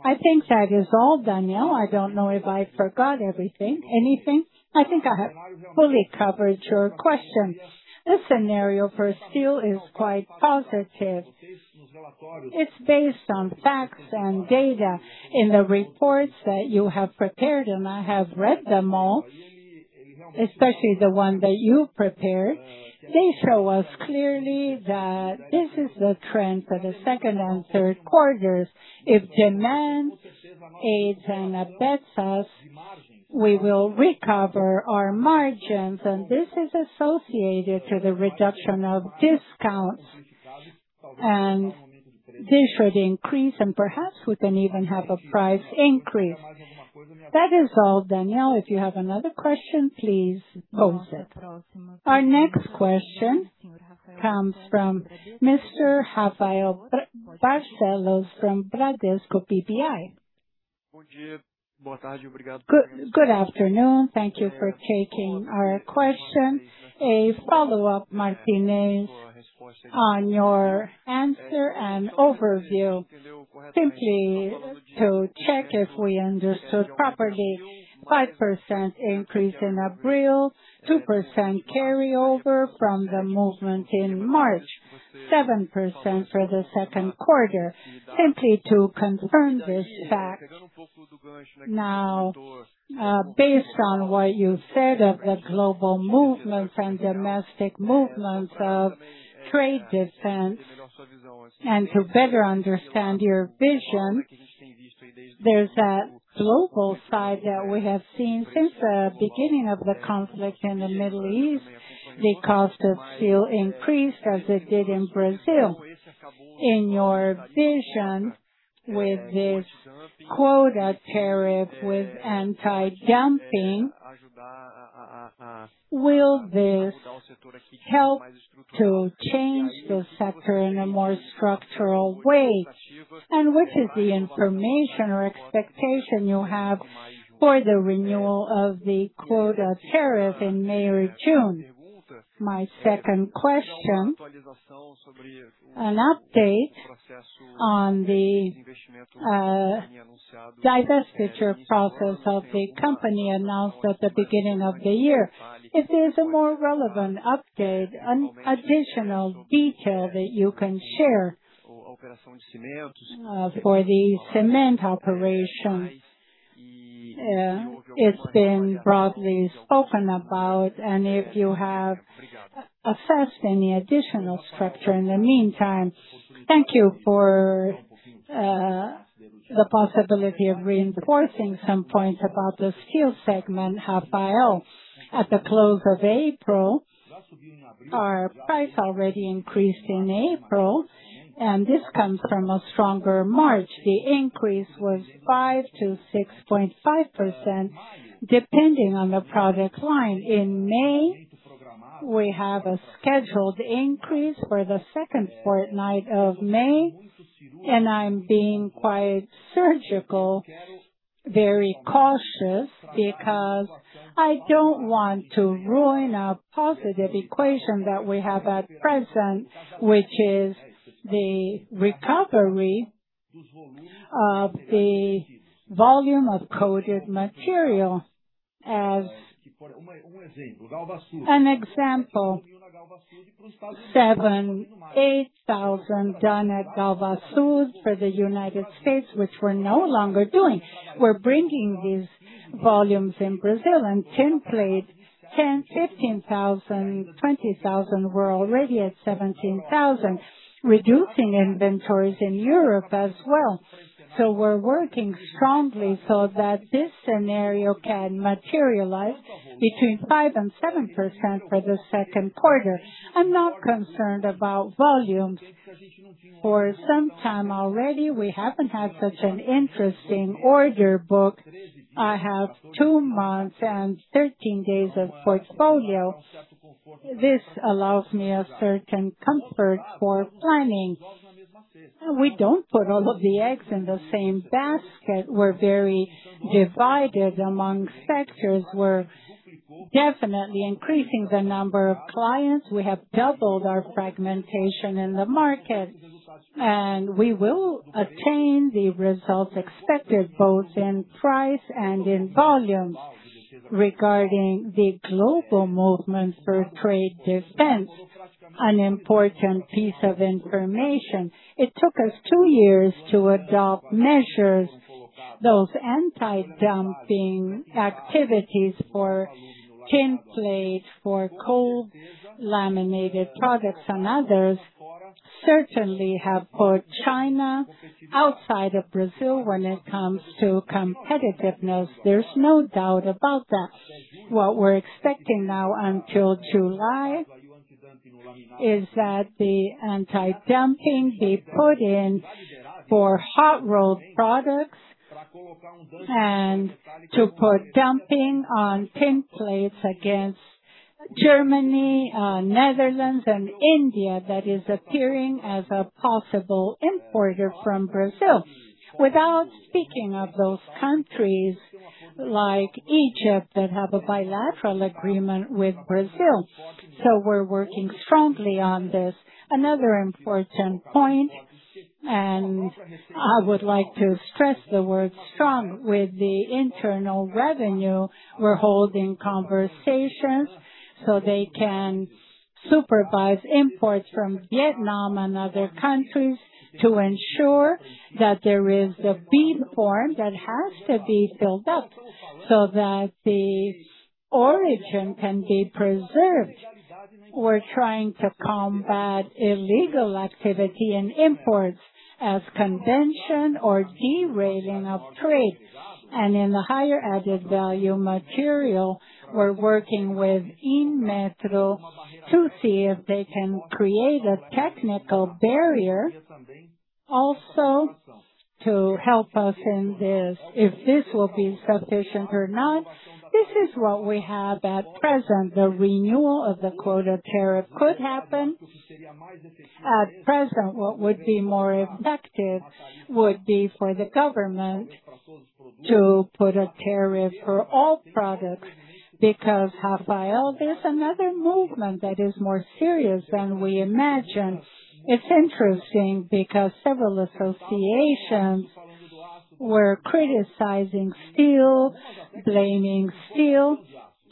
Speaker 6: I think that is all, Daniel. I don't know if I forgot anything. I think I have fully covered your question. The scenario for steel is quite positive. It's based on facts and data in the reports that you have prepared, and I have read them all, especially the one that you prepared. They show us clearly that this is the trend for the second and third quarters. If demand aids and abets us, we will recover our margins, and this is associated to the reduction of discounts. This should increase, and perhaps we can even have a price increase. That is all, Daniel. If you have another question, please pose it.
Speaker 1: Our next question comes from Mr. Rafael Barcellos from Bradesco BBI.
Speaker 7: Good afternoon. Thank you for taking our question. A follow-up, Martinez, on your answer and overview. Simply to check if we understood properly, five percent increase in April, two percent carryover from the movement in March, seven percent for the Q2. Simply to confirm this fact. Based on what you said of the global movements and domestic movements of trade defense, and to better understand your vision, there's a global side that we have seen since the beginning of the conflict in the Middle East. The cost of steel increased as it did in Brazil. In your vision, with this tariff quota, with anti-dumping, will this help to change the sector in a more structural way? Which is the information or expectation you have for the renewal of the tariff quota in May or June? My second question, an update on the divestiture process of the company announced at the beginning of the year. If there's a more relevant update, an additional detail that you can share for the cement operation, it's been broadly spoken about, and if you have assessed any additional structure in the meantime.
Speaker 6: Thank you for the possibility of reinforcing some points about the steel segment, Rafael. At the close of April, our price already increased in April. This comes from a stronger March. The increase was 5%-6.5%, depending on the product line. In May, we have a scheduled increase for the second fortnight of May. I'm being quite surgical, very cautious, because I don't want to ruin a positive equation that we have at present, which is the recovery of the volume of coated material. As an example, 7,000, 8,000 done at Galvasul for the U.S., which we're no longer doing. We're bringing these volumes in Brazil and tinplate 10,000, 15,000, 20,000. We're already at 17,000, reducing inventories in Europe as well. We're working strongly so that this scenario can materialize between five and seven percent for the Q2. I'm not concerned about volumes. For some time already, we haven't had such an interesting order book. I have two months and 13 days of portfolio. This allows me a certain comfort for planning. We don't put all of the eggs in the same basket. We're very divided among sectors. We're definitely increasing the number of clients. We have doubled our fragmentation in the market, and we will attain the results expected, both in price and in volume. Regarding the global movements for trade defense, an important piece of information. It took us 2 years to adopt measures. Those anti-dumping activities for tinplate, for cold laminated products and others certainly have put China outside of Brazil when it comes to competitiveness. There's no doubt about that. What we're expecting now until July is that the anti-dumping be put in for hot rolled products and to put dumping on tinplate against Germany, Netherlands and India that is appearing as a possible importer from Brazil. Without speaking of those countries like Egypt that have a bilateral agreement with Brazil. We're working strongly on this. Another important point, and I would like to stress the word strong, with the internal revenue, we're holding conversations so they can supervise imports from Vietnam and other countries to ensure that there is the Form B that has to be filled up so that the origin can be preserved. We're trying to combat illegal activity and imports as circumvention or derailing of trade. In the higher added value material, we're working with Inmetro to see if they can create a technical barrier also to help us in this, if this will be sufficient or not, this is what we have at present. The renewal of the tariff quota could happen. At present, what would be more effective would be for the government to put a tariff for all products. Rafael, there's another movement that is more serious than we imagined. It's interesting because several associations were criticizing steel, blaming steel,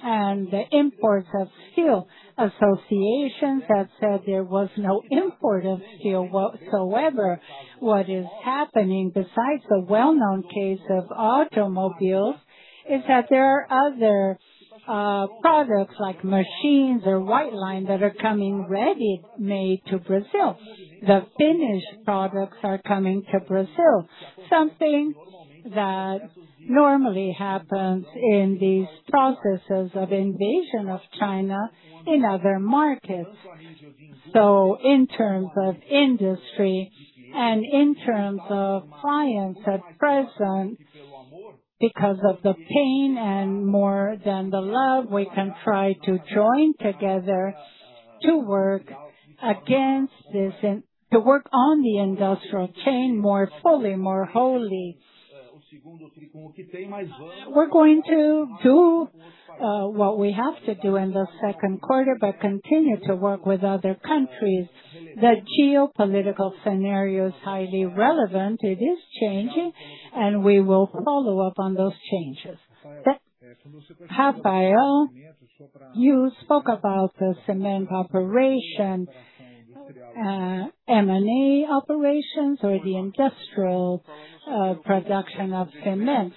Speaker 6: and the imports of steel. Associations that said there was no import of steel whatsoever. What is happening, besides the well-known case of automobiles, is that there are other products like machines or white line that are coming ready-made to Brazil. The finished products are coming to Brazil. Something that normally happens in these processes of invasion of China in other markets. In terms of industry and in terms of clients at present, because of the pain and more than the love, we can try to join together to work against this and to work on the industrial chain more fully, more wholly. We're going to do what we have to do in the Q2, but continue to work with other countries. The geopolitical scenario is highly relevant. It is changing, and we will follow up on those changes. Rafael, you spoke about the cement operation, M&A operations or the industrial production of cement.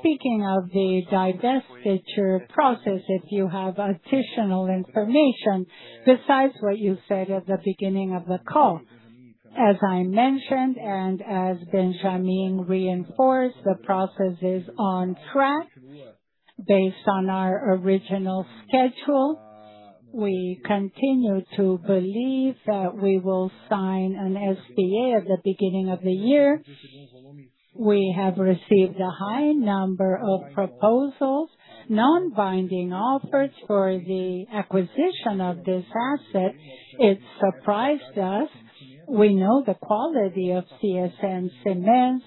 Speaker 6: Speaking of the divestiture process, if you have additional information besides what you said at the beginning of the call. As I mentioned, and as Benjamin reinforced, the process is on track based on our original schedule. We continue to believe that we will sign an SPA at the beginning of the year. We have received a high number of proposals, non-binding offers for the acquisition of this asset. It surprised us. We know the quality of CSN Cimentos.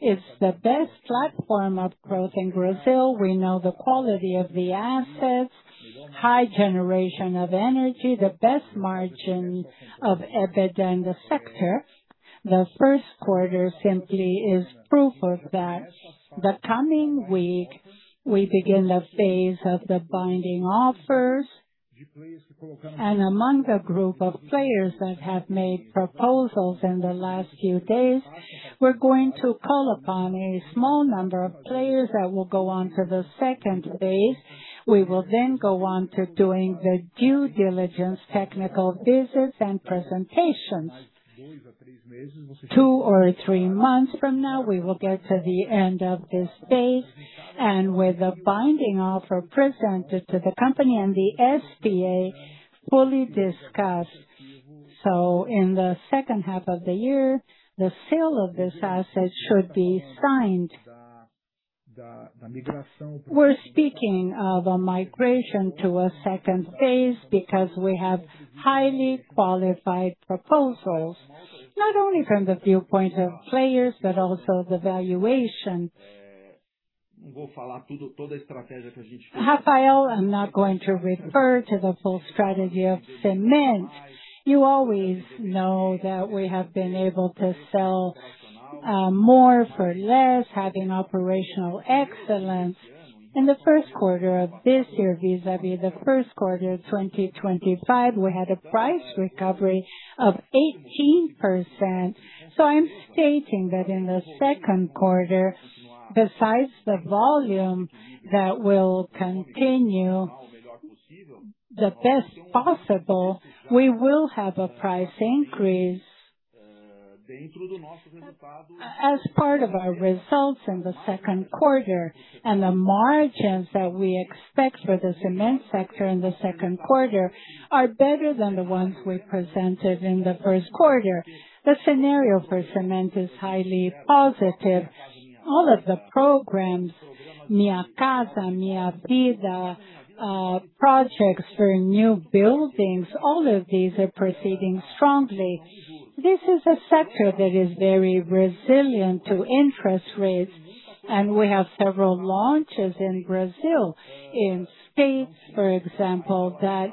Speaker 6: It's the best platform of growth in Brazil. We know the quality of the assets, high generation of energy, the best margin of EBIT in the sector. The Q1 simply is proof of that. The coming week, we begin the phase of the binding offers. Among a group of players that have made proposals in the last few days, we are going to call upon a small number of players that will go on to the phase II. We will go on to doing the due diligence, technical visits and presentations. Two or three months from now, we will get to the end of this phase and with a binding offer presented to the company and the SPA fully discussed. In the second half of the year, the sale of this asset should be signed. We are speaking of a migration to a phase II because we have highly qualified proposals, not only from the viewpoint of players, but also the valuation. Rafael, I am not going to refer to the full strategy of cement. You always know that we have been able to sell more for less, having operational excellence. In the Q1 of this year, vis-à-vis the Q1 of 2025, we had a price recovery of 18%. I'm stating that in the Q2, besides the volume that will continue the best possible, we will have a price increase. As part of our results in the Q2 and the margins that we expect for the cement sector in the second quarter are better than the ones we presented in the Q1. The scenario for cement is highly positive. All of the programs, Minha Casa, Minha Vida, projects for new buildings, all of these are proceeding strongly. This is a sector that is very resilient to interest rates, and we have several launches in Brazil. In states, for example, that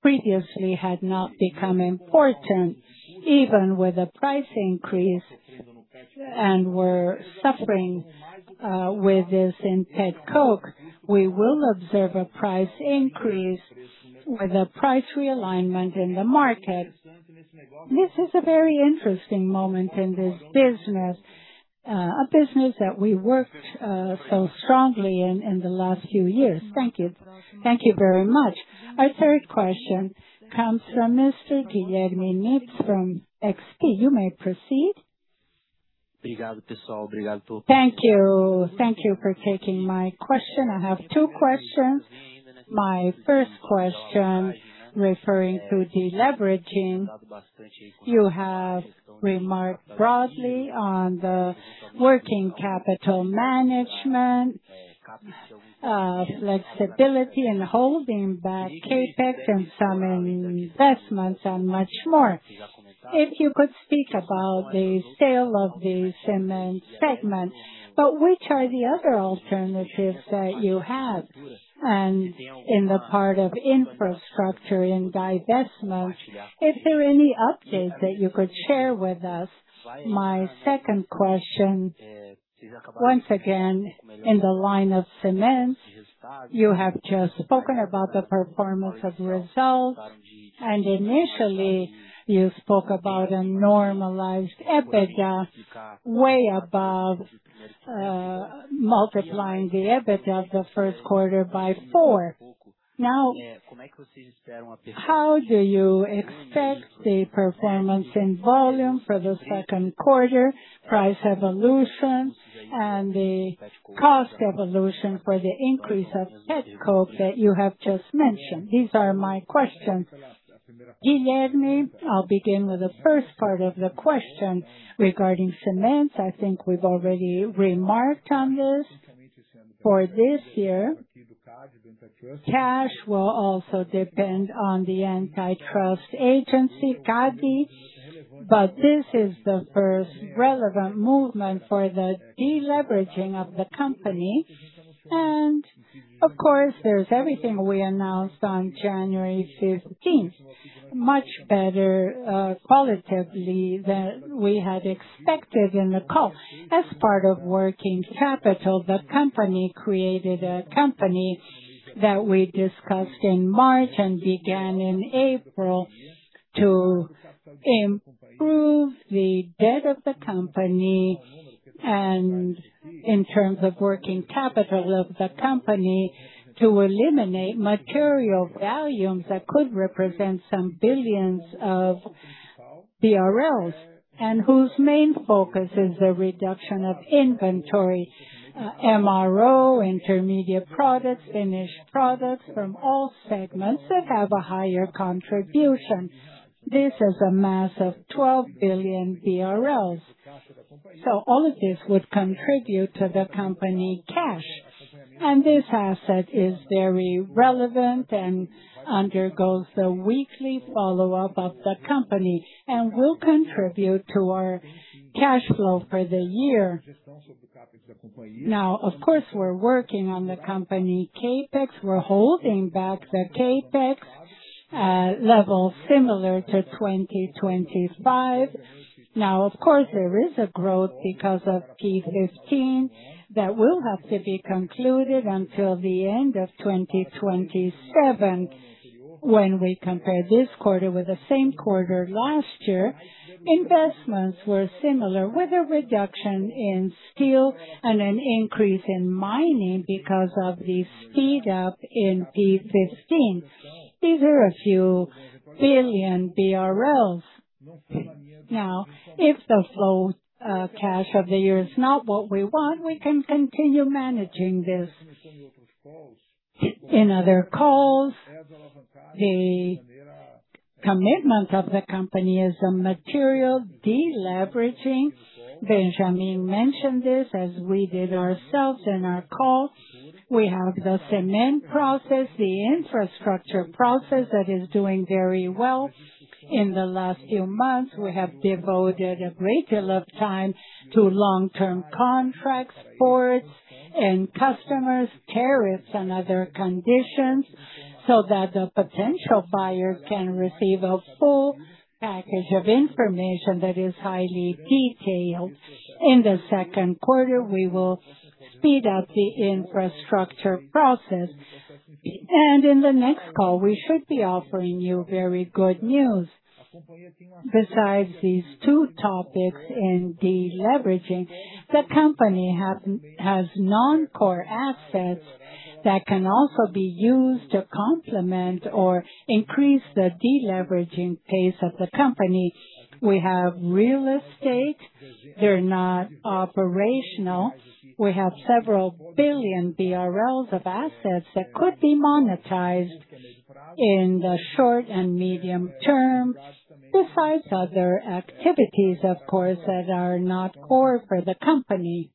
Speaker 6: previously had not become important, even with a price increase and were suffering with this in petcoke. We will observe a price increase with a price realignment in the market. This is a very interesting moment in this business, a business that we worked so strongly in the last few years.
Speaker 7: Thank you. Thank you very much.
Speaker 1: Our third question comes from Mr. Guilherme Nippes from XP. You may proceed.
Speaker 8: Thank you. Thank you for taking my question. I have two questions. My first question referring to deleveraging. You have remarked broadly on the working capital management, flexibility and holding back CapEx and some investments and much more. If you could speak about the sale of the cement segment, but which are the other alternatives that you have and in the part of infrastructure in divestment, if there are any updates that you could share with us. My second question, once again, in the line of cement, you have just spoken about the performance of results, and initially you spoke about a normalized EBITDA way above, multiplying the EBITDA of the Q1 by four. Now, how do you expect the performance in volume for the Q2, price evolution and the cost evolution for the increase of petcoke that you have just mentioned? These are my questions.
Speaker 2: Guilherme, I'll begin with the 1st part of the question regarding cements. I think we've already remarked on this for this year. Cash will also depend on the antitrust agency, CADE, this is the first relevant movement for the deleveraging of the company. Of course, there's everything we announced on January 15th, much better qualitatively than we had expected in the call. As part of working capital, the company created a company that we discussed in March and began in April to improve the debt of the company and in terms of working capital of the company, to eliminate material volumes that could represent some billions of BRL, and whose main focus is the reduction of inventory, MRO, intermediate products, finished products from all segments that have a higher contribution. This is a mass of 12 billion BRL. All of this would contribute to the company cash. This asset is very relevant and undergoes the weekly follow-up of the company and will contribute to our cash flow for the year. Of course, we're working on the company CapEx. We're holding back the CapEx level similar to 2025. Of course, there is a growth because of P15 that will have to be concluded until the end of 2027. When we compare this quarter with the same quarter last year, investments were similar with a reduction in steel and an increase in mining because of the speed up in P15. These are a few billion BRL. If the flow cash of the year is not what we want, we can continue managing this. In other calls, the commitment of the company is a material deleveraging. Benjamin mentioned this as we did ourselves in our call. We have the cement process, the infrastructure process that is doing very well. In the last few months, we have devoted a great deal of time to long-term contracts, ports and customers, tariffs and other conditions so that the potential buyer can receive a full package of information that is highly detailed. In the Q2, we will speed up the infrastructure process. In the next call, we should be offering you very good news. Besides these two topics in deleveraging, the company has non-core assets that can also be used to complement or increase the deleveraging pace of the company. We have real estate. They're not operational. We have several billion BRL of assets that could be monetized in the short and medium term, besides other activities, of course, that are not core for the company.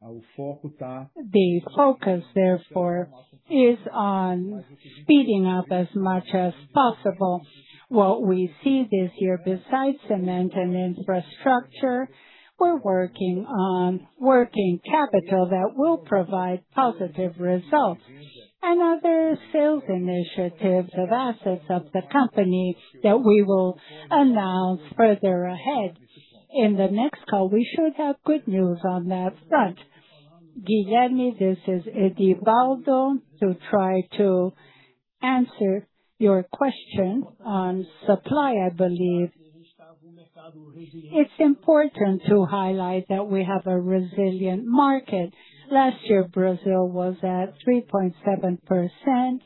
Speaker 2: The focus, therefore, is on speeding up as much as possible. What we see this year, besides cement and infrastructure, we're working on working capital that will provide positive results and other sales initiatives of assets of the company that we will announce further ahead. In the next call, we should have good news on that front.
Speaker 9: Guilherme, this is Edvaldo. To try to answer your question on supply, I believe it's important to highlight that we have a resilient market. Last year, Brazil was at 3.7%.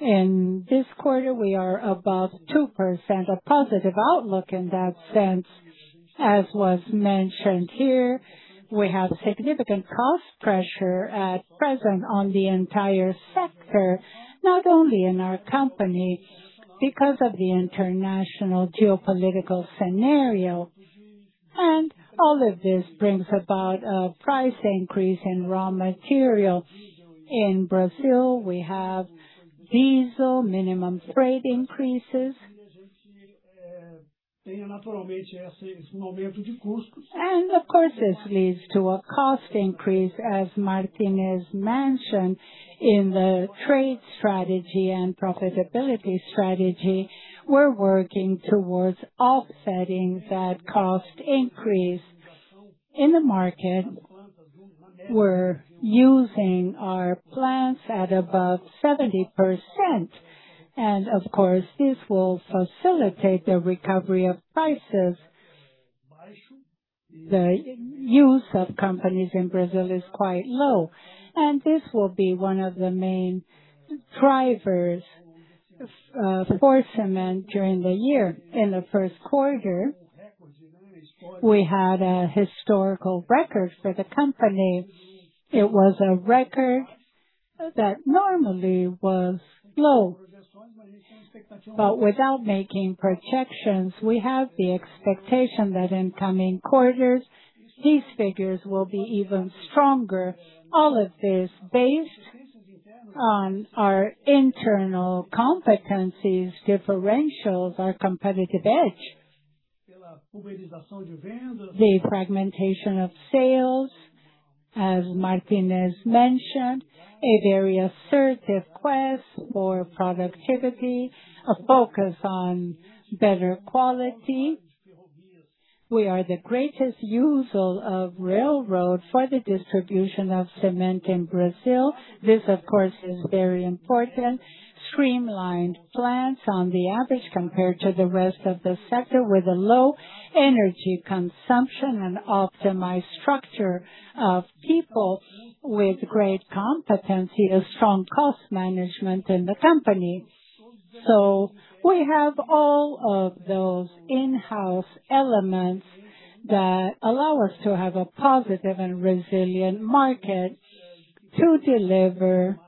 Speaker 9: In this quarter, we are above two percent, a positive outlook in that sense. As was mentioned here, we have significant cost pressure at present on the entire sector, not only in our company, because of the international geopolitical scenario. All of this brings about a price increase in raw material. In Brazil, we have diesel minimum rate increases. Of course, this leads to a cost increase. As Martinez mentioned, in the trade strategy and profitability strategy, we're working towards offsetting that cost increase. In the market, we're using our plants at above 70%. Of course, this will facilitate the recovery of prices. The use of companies in Brazil is quite low. This will be one of the main drivers for cement during the year. In the first quarter, we had a historical record for the company. It was a record that normally was low. Without making projections, we have the expectation that in coming quarters these figures will be even stronger. All of this based on our internal competencies, differentials, our competitive edge. The fragmentation of sales, as Martinez mentioned, a very assertive quest for productivity, a focus on better quality. We are the greatest user of railroad for the distribution of cement in Brazil. This, of course, is very important. Streamlined plants on the average compared to the rest of the sector, with a low energy consumption and optimized structure of people with great competency, a strong cost management in the company. We have all of those in-house elements that allow us to have a positive and resilient market to deliver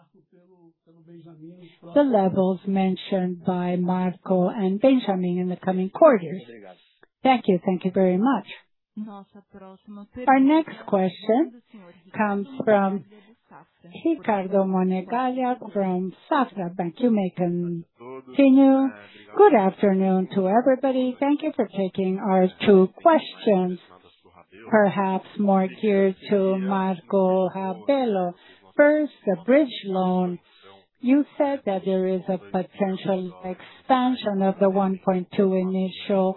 Speaker 9: the levels mentioned by Marco and Benjamin in the coming quarters. Thank you. Thank you very much.
Speaker 1: Our next question comes from Ricardo Monegaglia from Safra. You may continue.
Speaker 10: Good afternoon to everybody. Thank you for taking our two questions, perhaps more geared to Marco Rabello. First, the bridge loan. You said that there is a potential expansion of the 1.2 billion initial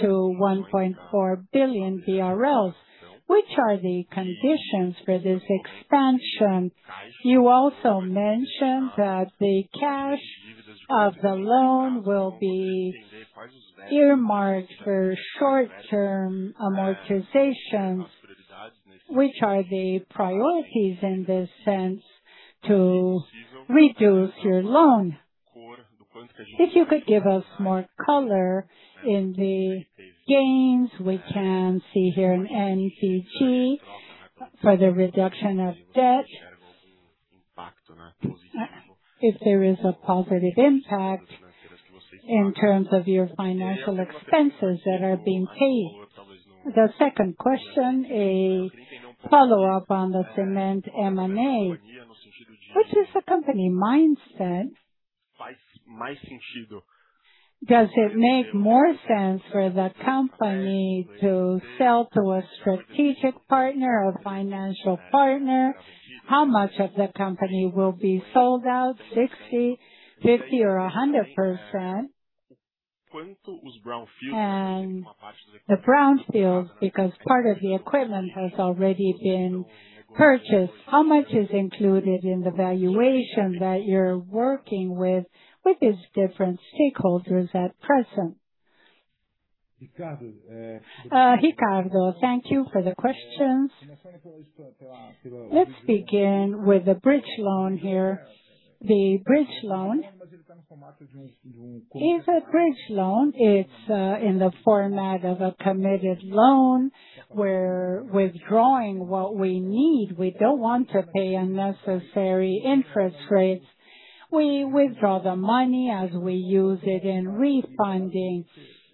Speaker 10: to 1.4 billion BRL. Which are the conditions for this expansion? You also mentioned that the cash of the loan will be earmarked for short-term amortizations. Which are the priorities in this sense to reduce your loan? If you could give us more color in the gains we can see here in NCG for the reduction of debt. If there is a positive impact in terms of your financial expenses that are being paid. The second question, a follow-up on the cement M&A. Which is the company mindset. Does it make more sense for the company to sell to a strategic partner or financial partner? How much of the company will be sold out, 60, 50 or 100%? The brownfield, because part of the equipment has already been purchased, how much is included in the valuation that you're working with these different stakeholders at present?
Speaker 2: Ricardo, thank you for the questions. Let's begin with the bridge loan here. The bridge loan is a bridge loan. It's in the format of a committed loan. We're withdrawing what we need. We don't want to pay unnecessary interest rates. We withdraw the money as we use it in refunding.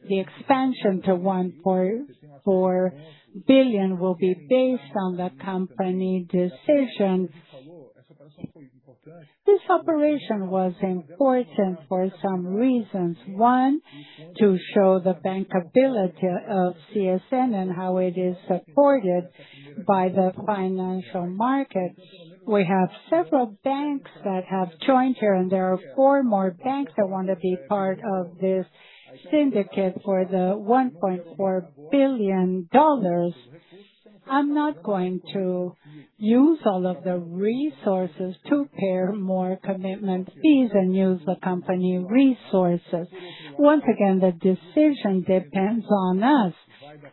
Speaker 2: The expansion to $1.4 billion will be based on the company decisions. This operation was important for some reasons. One, to show the bankability of CSN and how it is supported by the financial market. We have several banks that have joined here, and there are four more banks that want to be part of this syndicate for the $1.4 billion. I'm not going to use all of the resources to pay more commitment fees and use the company resources. Once again, the decision depends on us.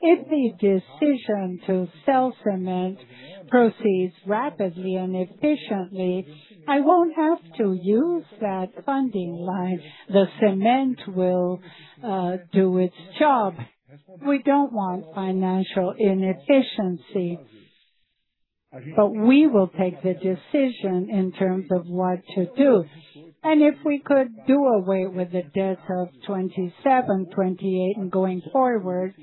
Speaker 2: If the decision to sell cement proceeds rapidly and efficiently, I won't have to use that funding line. The cement will do its job. We don't want financial inefficiency, we will take the decision in terms of what to do. If we could do away with the debt of 2027, 2028 and going forward,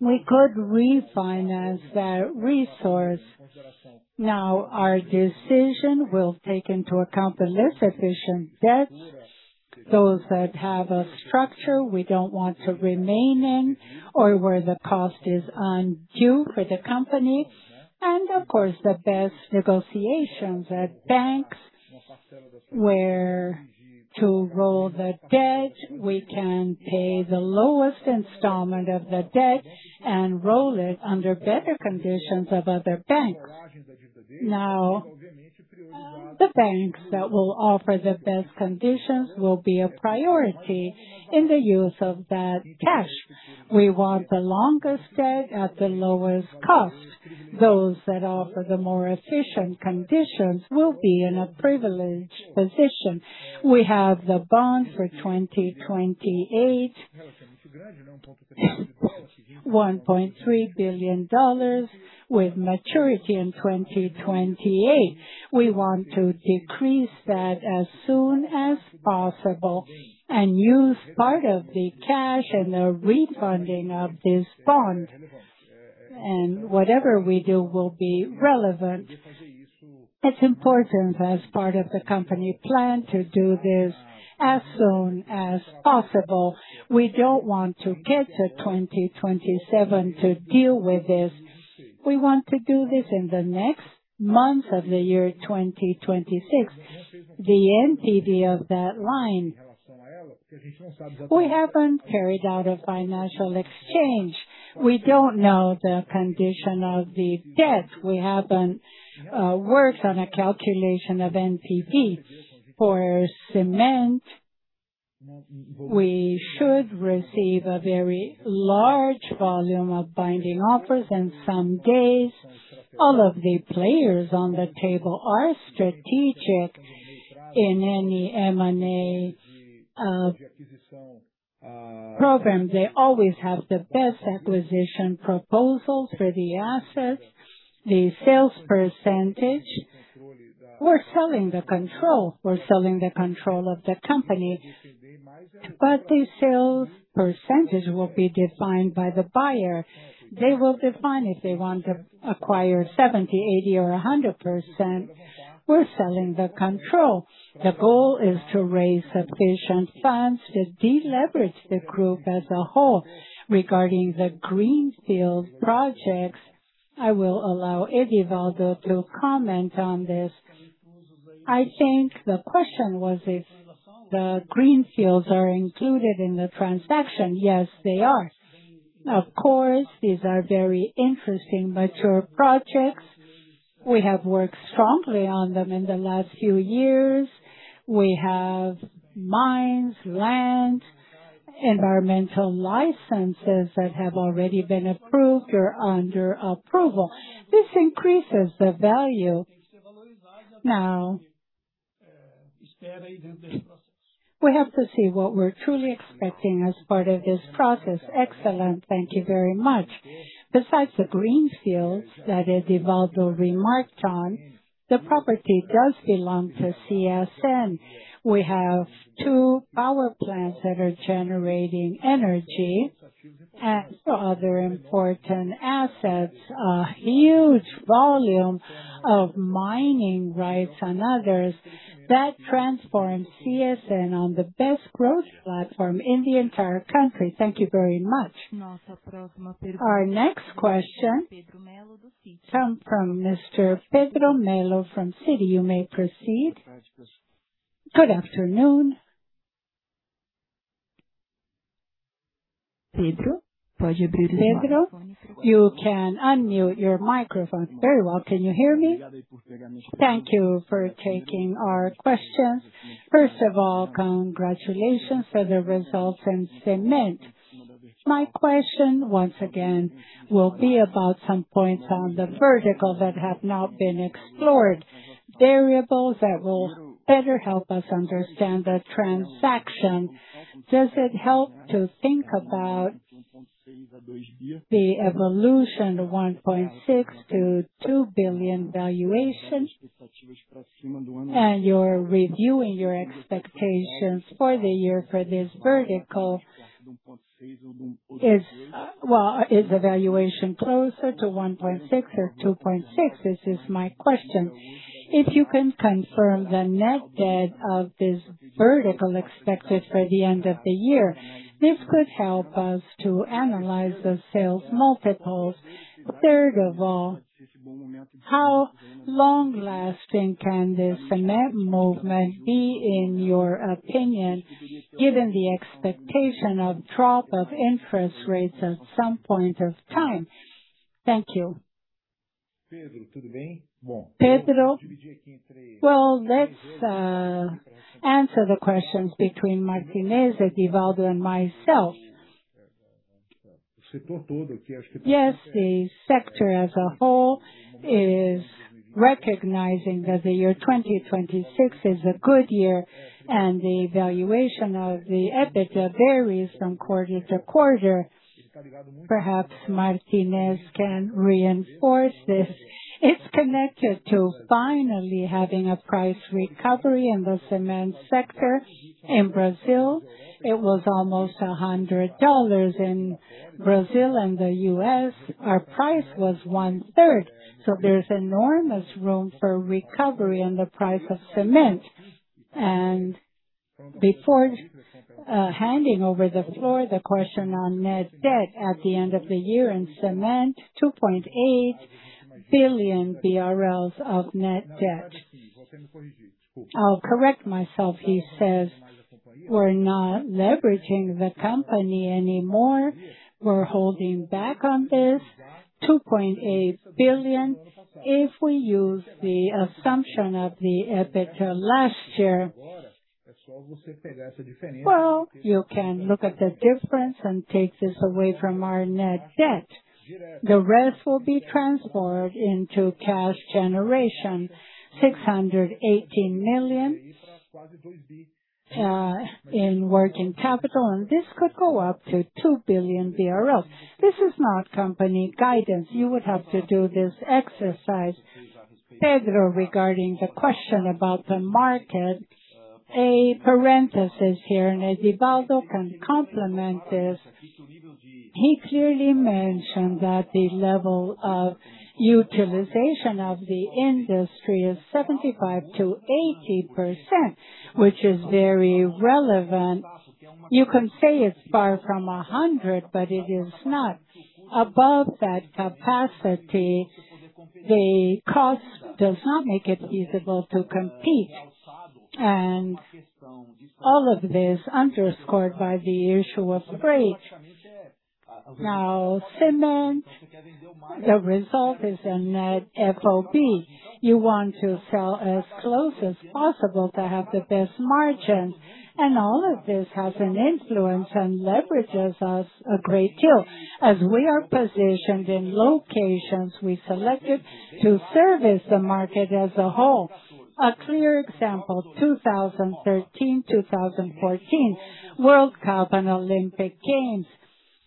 Speaker 2: we could refinance that resource. Our decision will take into account the less efficient debts, those that have a structure we don't want to remain in or where the cost is undue for the company, and of course, the best negotiations at banks where to roll the debt, we can pay the lowest installment of the debt and roll it under better conditions of other bank. The banks that will offer the best conditions will be a priority in the use of that cash. We want the longest debt at the lowest cost. Those that offer the more efficient conditions will be in a privileged position. We have the bond for 2028. $1.3 billion with maturity in 2028. We want to decrease that as soon as possible and use part of the cash and the refunding of this bond. Whatever we do will be relevant. It's important as part of the company plan to do this as soon as possible. We don't want to get to 2027 to deal with this. We want to do this in the next months of the year 2026. The NPV of that line, we haven't carried out a financial exchange. We don't know the condition of the debt. We haven't worked on a calculation of NPV. For cement, we should receive a very large volume of binding offers in some days. All of the players on the table are strategic in any M&A program. They always have the best acquisition proposal for the assets. The sales percentage, we're selling the control. We're selling the control of the company. The sales percentage will be defined by the buyer. They will define if they want to acquire 70%, 80% or 100%. We're selling the control. The goal is to raise sufficient funds to deleverage the group as a whole. Regarding the greenfield projects, I will allow Edvaldo to comment on this.
Speaker 9: I think the question was if the greenfields are included in the transaction. Yes, they are. Of course, these are very interesting mature projects. We have worked strongly on them in the last few years. We have mines, land, environmental licenses that have already been approved or under approval. This increases the value. We have to see what we're truly expecting as part of this process.
Speaker 2: Excellent. Thank you very much. Besides the greenfields that Edvaldo remarked on, the property does belong to CSN. We have two power plants that are generating energy and other important assets. A huge volume of mining rights and others. That transforms CSN on the best growth platform in the entire country. Thank you very much.
Speaker 1: Our next question comes from Mr. Pedro Melo from Citi. You may proceed. Good afternoon. Pedro, you can unmute your microphone.
Speaker 11: Very well. Can you hear me? Thank you for taking our questions. First of all, congratulations for the results in cement. My question, once again, will be about some points on the vertical that have not been explored. Variables that will better help us understand the transaction. Does it help to think about the evolution of 1.6 billion-2 billion valuation? You're reviewing your expectations for the year for this vertical.
Speaker 2: Well, is the valuation closer to 1.6 or 2.6? This is my question. If you can confirm the net debt of this vertical expected by the end of the year, this could help us to analyze the sales multiples. Third of all, how long-lasting can this cement movement be, in your opinion, given the expectation of drop of interest rates at some point of time? Thank you. Pedro, well, let's answer the questions between Martinez, Edvaldo, and myself. Yes, the sector as a whole is recognizing that the year 2026 is a good year, and the valuation of the EBITDA varies from quarter to quarter. Perhaps Martinez can reinforce this. It's connected to finally having a price recovery in the cement sector. In Brazil, it was almost BRL 100. In Brazil and the U.S., our price was one-third. There's enormous room for recovery in the price of cement. Before handing over the floor, the question on net debt. At the end of the year in cement, 2.8 billion BRL of net debt. I'll correct myself, he says, we're not leveraging the company anymore. We're holding back on this 2.8 billion. If we use the assumption of the EBITDA last year, you can look at the difference and take this away from our net debt. The rest will be transformed into cash generation, 680 million in working capital, and this could go up to 2 billion BRL. This is not company guidance. You would have to do this exercise. Pedro, regarding the question about the market, a parenthesis here. Edvaldo can complement this. He clearly mentioned that the level of utilization of the industry is 75%-80%, which is very relevant. You can say it's far from 100, but it is not. Above that capacity, the cost does not make it feasible to compete. All of this underscored by the issue of freight. Now, cement, the result is a net FOB. You want to sell as close as possible to have the best margins. All of this has an influence and leverages us a great deal, as we are positioned in locations we selected to service the market as a whole. A clear example, 2013, 2014, World Cup and Olympic Games.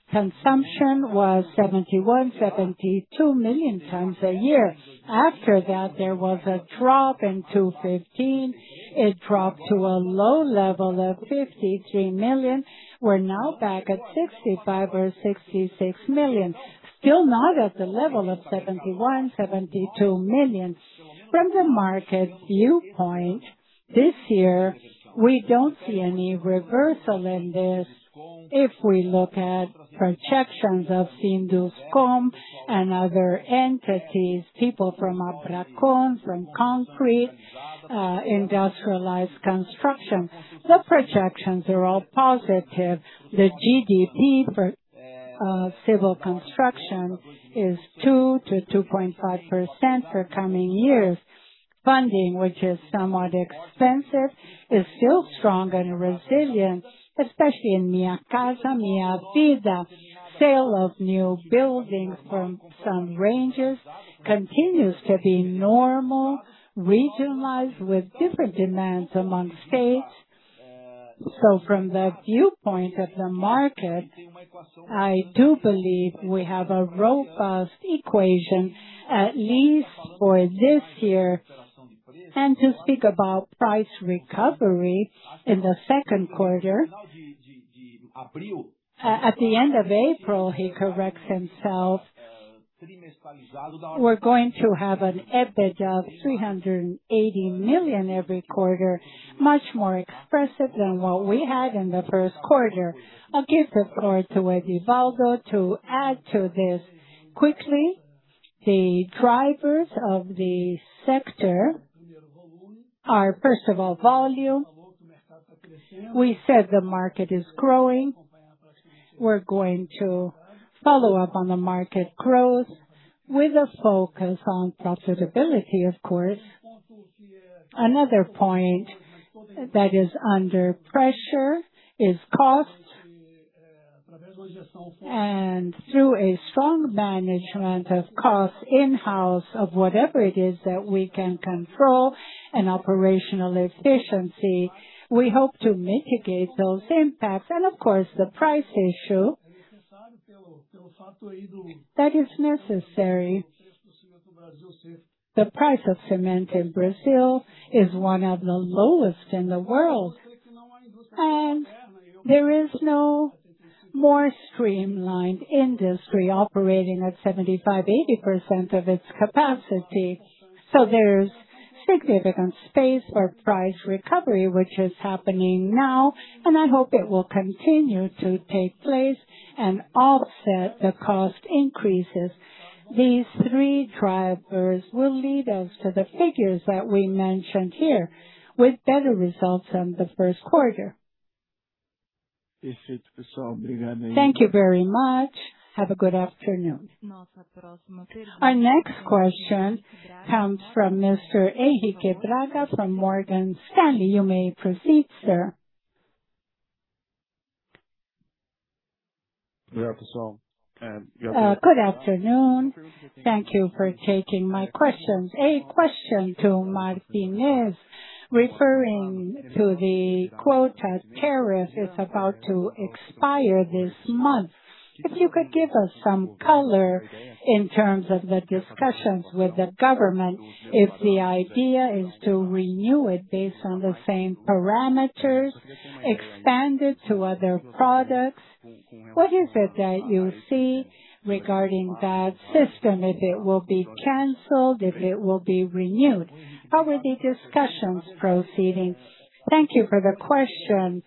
Speaker 2: Consumption was 71-72 million tons a year. After that, there was a drop in 2015. It dropped to a low level of 53 million. We're now back at 65 million or 66 million. Still not at the level of 71 million, 72 million. From the market viewpoint, this year we don't see any reversal in this if we look at projections of Sinduscon and other entities, people from IBRACON, from concrete, industrialized construction. The projections are all positive. The GDP for civil construction is 2%-2.5% for coming years. Funding, which is somewhat expensive, is still strong and resilient, especially in Minha Casa, Minha Vida. Sale of new buildings from some ranges continues to be normal, regionalized with different demands among states. From the viewpoint of the market, I do believe we have a robust equation, at least for this year. To speak about price recovery in the second quarter.
Speaker 9: At the end of April, he corrects himself, we're going to have an EBITDA of 380 million every quarter, much more expressive than what we had in the 1st quarter. I'll give the floor to Edvaldo to add to this. Quickly, the drivers of the sector are, first of all, volume. We said the market is growing. We're going to follow up on the market growth with a focus on profitability, of course. Another point that is under pressure is cost. Through a strong management of cost in-house of whatever it is that we can control and operational efficiency, we hope to mitigate those impacts. Of course, the price issue that is necessary. The price of cement in Brazil is one of the lowest in the world, and there is no more streamlined industry operating at 75%-80% of its capacity. There's significant space for price recovery, which is happening now, and I hope it will continue to take place and offset the cost increases. These three drivers will lead us to the figures that we mentioned here, with better results than the first quarter. Thank you very much. Have a good afternoon.
Speaker 1: Our next question comes from Mr. Caio Ribeiro from Morgan Stanley. You may proceed, sir.
Speaker 12: Good afternoon. Thank you for taking my questions. A question to Martinez. Referring to the quota tariff is about to expire this month. If you could give us some color in terms of the discussions with the government, if the idea is to renew it based on the same parameters expanded to other products. What is it that you see regarding that system, if it will be canceled, if it will be renewed? How are the discussions proceeding?
Speaker 6: Thank you for the question,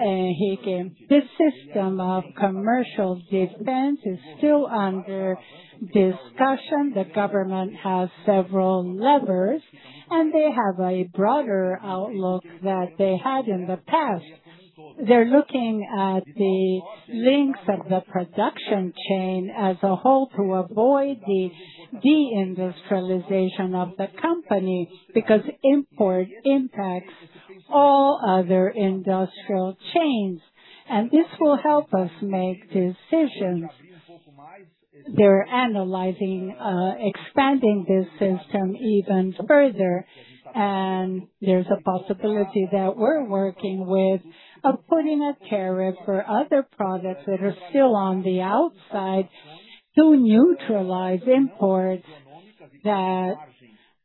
Speaker 6: Caio. This system of commercial defense is still under discussion. The government has several levers. They have a broader outlook that they had in the past. They're looking at the links of the production chain as a whole to avoid the de-industrialization of the company because import impacts all other industrial chains, and this will help us make decisions. They're analyzing expanding this system even further. There's a possibility that we're working with of putting a tariff for other products that are still on the outside to neutralize imports that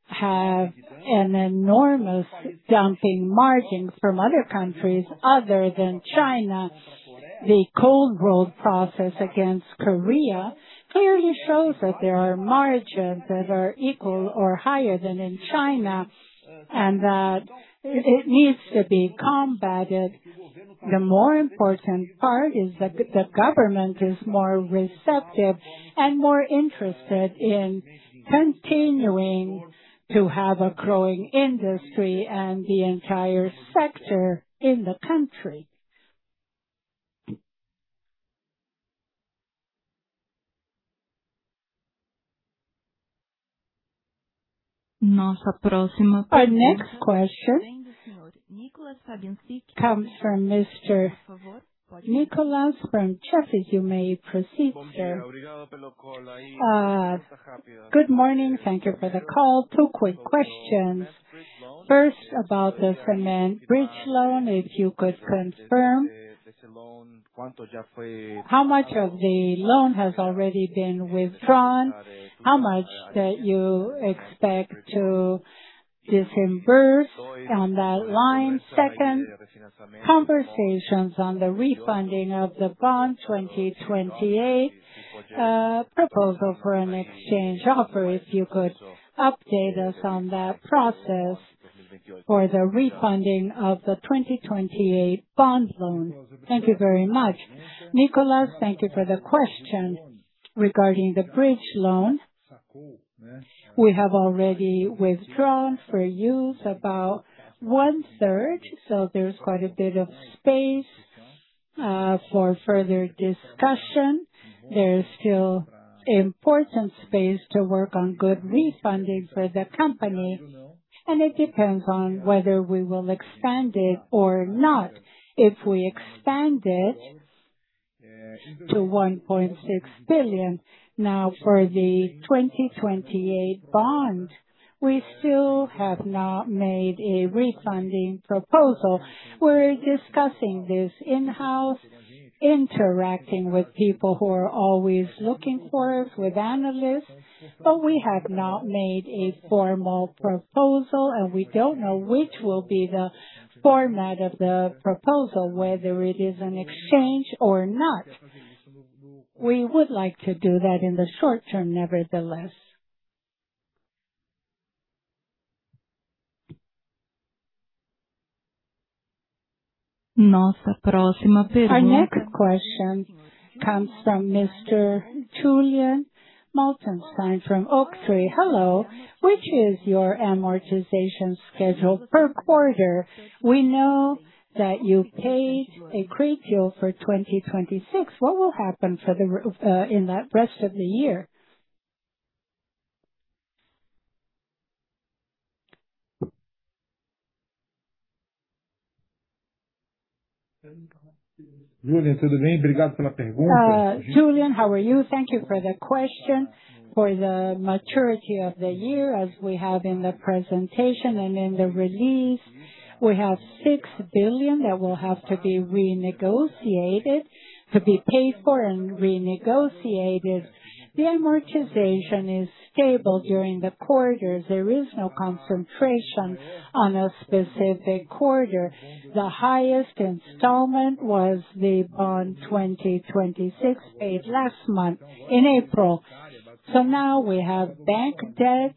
Speaker 6: have an enormous dumping margins from other countries other than China. The cold-rolled process against Korea clearly shows that there are margins that are equal or higher than in China and that it needs to be combated. The more important part is that the government is more receptive and more interested in continuing to have a growing industry and the entire sector in the country.
Speaker 1: Our next question comes from Mr. Nicholas from Jefferies. You may proceed, sir.
Speaker 13: Good morning. Thank you for the call. Two quick questions. First, about the cement bridge loan, if you could confirm how much of the loan has already been withdrawn, how much that you expect to disburse on that line. Second, conversations on the refunding of the bond 2028, proposal for an exchange offer, if you could update us on that process for the refunding of the 2028 bond loan. Thank you very much.
Speaker 2: Nicholas, thank you for the question. Regarding the bridge loan, we have already withdrawn for use about one-third, so there's quite a bit of space for further discussion. There is still important space to work on good refunding for the company, It depends on whether we will expand it or not. If we expand it to 1.6 billion. For the 2028 bond, we still have not made a refunding proposal. We are discussing this in-house, interacting with people who are always looking for us with analysts, We have not made a formal proposal, and we don't know which will be the format of the proposal, whether it is an exchange or not. We would like to do that in the short term, nevertheless.
Speaker 1: Our next question comes from Mr. Julian Lautersztain from Oaktree.
Speaker 14: Hello. Which is your amortization schedule per quarter? We know that you paid a great deal for 2026. What will happen for the in that rest of the year?
Speaker 2: Julian, how are you? Thank you for the question. For the maturity of the year, as we have in the presentation and in the release, we have 6 billion that will have to be renegotiated to be paid for and renegotiated. The amortization is stable during the quarters. There is no concentration on a specific quarter. The highest installment was the bond 2026 paid last month in April. Now we have bank debt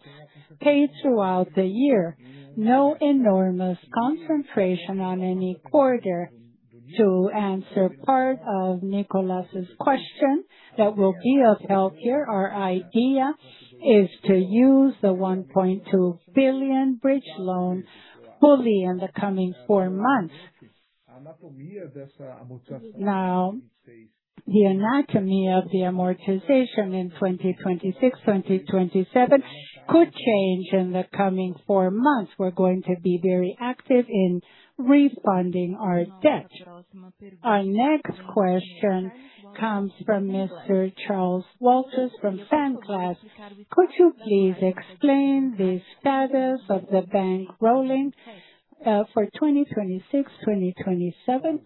Speaker 2: paid throughout the year. No enormous concentration on any quarter. To answer part of Nicholas's question. That will be of help here. Our idea is to use the 1.2 billion bridge loan fully in the coming four months. Now, the anatomy of the amortization in 2026, 2027 could change in the coming four months. We're going to be very active in refunding our debt.
Speaker 1: Our next question comes from Mr. Charles Walters from Sandglass.
Speaker 15: Could you please explain the status of the bank rolling for 2026, 2027?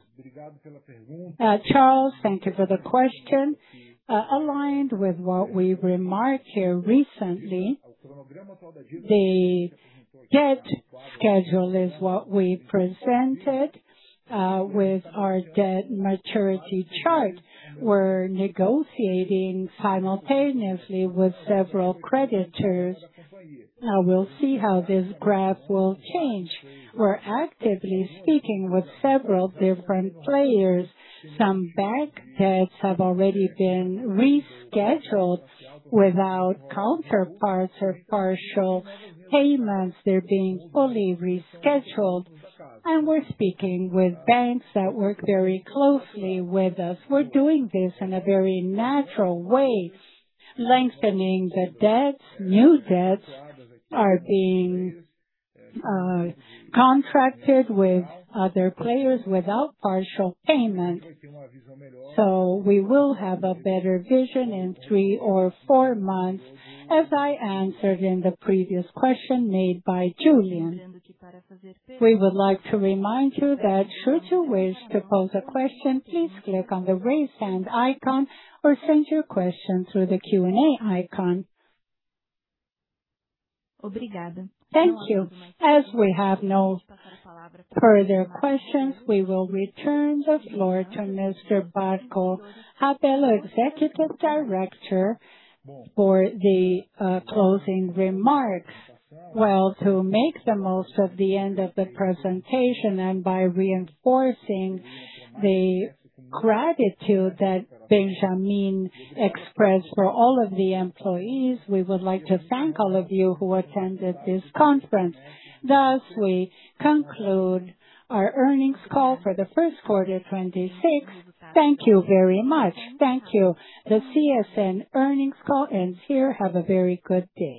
Speaker 2: Charles, thank you for the question. Aligned with what we've remarked here recently, the debt schedule is what we presented with our debt maturity chart. We're negotiating simultaneously with several creditors. We'll see how this graph will change. We're actively speaking with several different players. Some bank debts have already been rescheduled without counterparts or partial payments. They're being fully rescheduled. We're speaking with banks that work very closely with us. We're doing this in a very natural way, lengthening the debts. New debts are being contracted with other players without partial payment. We will have a better vision in three or four months, as I answered in the previous question made by Julian.
Speaker 1: We would like to remind you that should you wish to pose a question, please click on the Raise Hand icon or send your question through the Q&A icon. Thank you. As we have no further questions, we will return the floor to Mr. Marco Rabello, Executive Director, for the closing remarks.
Speaker 2: To make the most of the end of the presentation, and by reinforcing the gratitude that Benjamin expressed for all of the employees, we would like to thank all of you who attended this conference. Thus, we conclude our earnings call for the Q1 26. Thank you very much. Thank you. The CSN earnings call ends here. Have a very good day.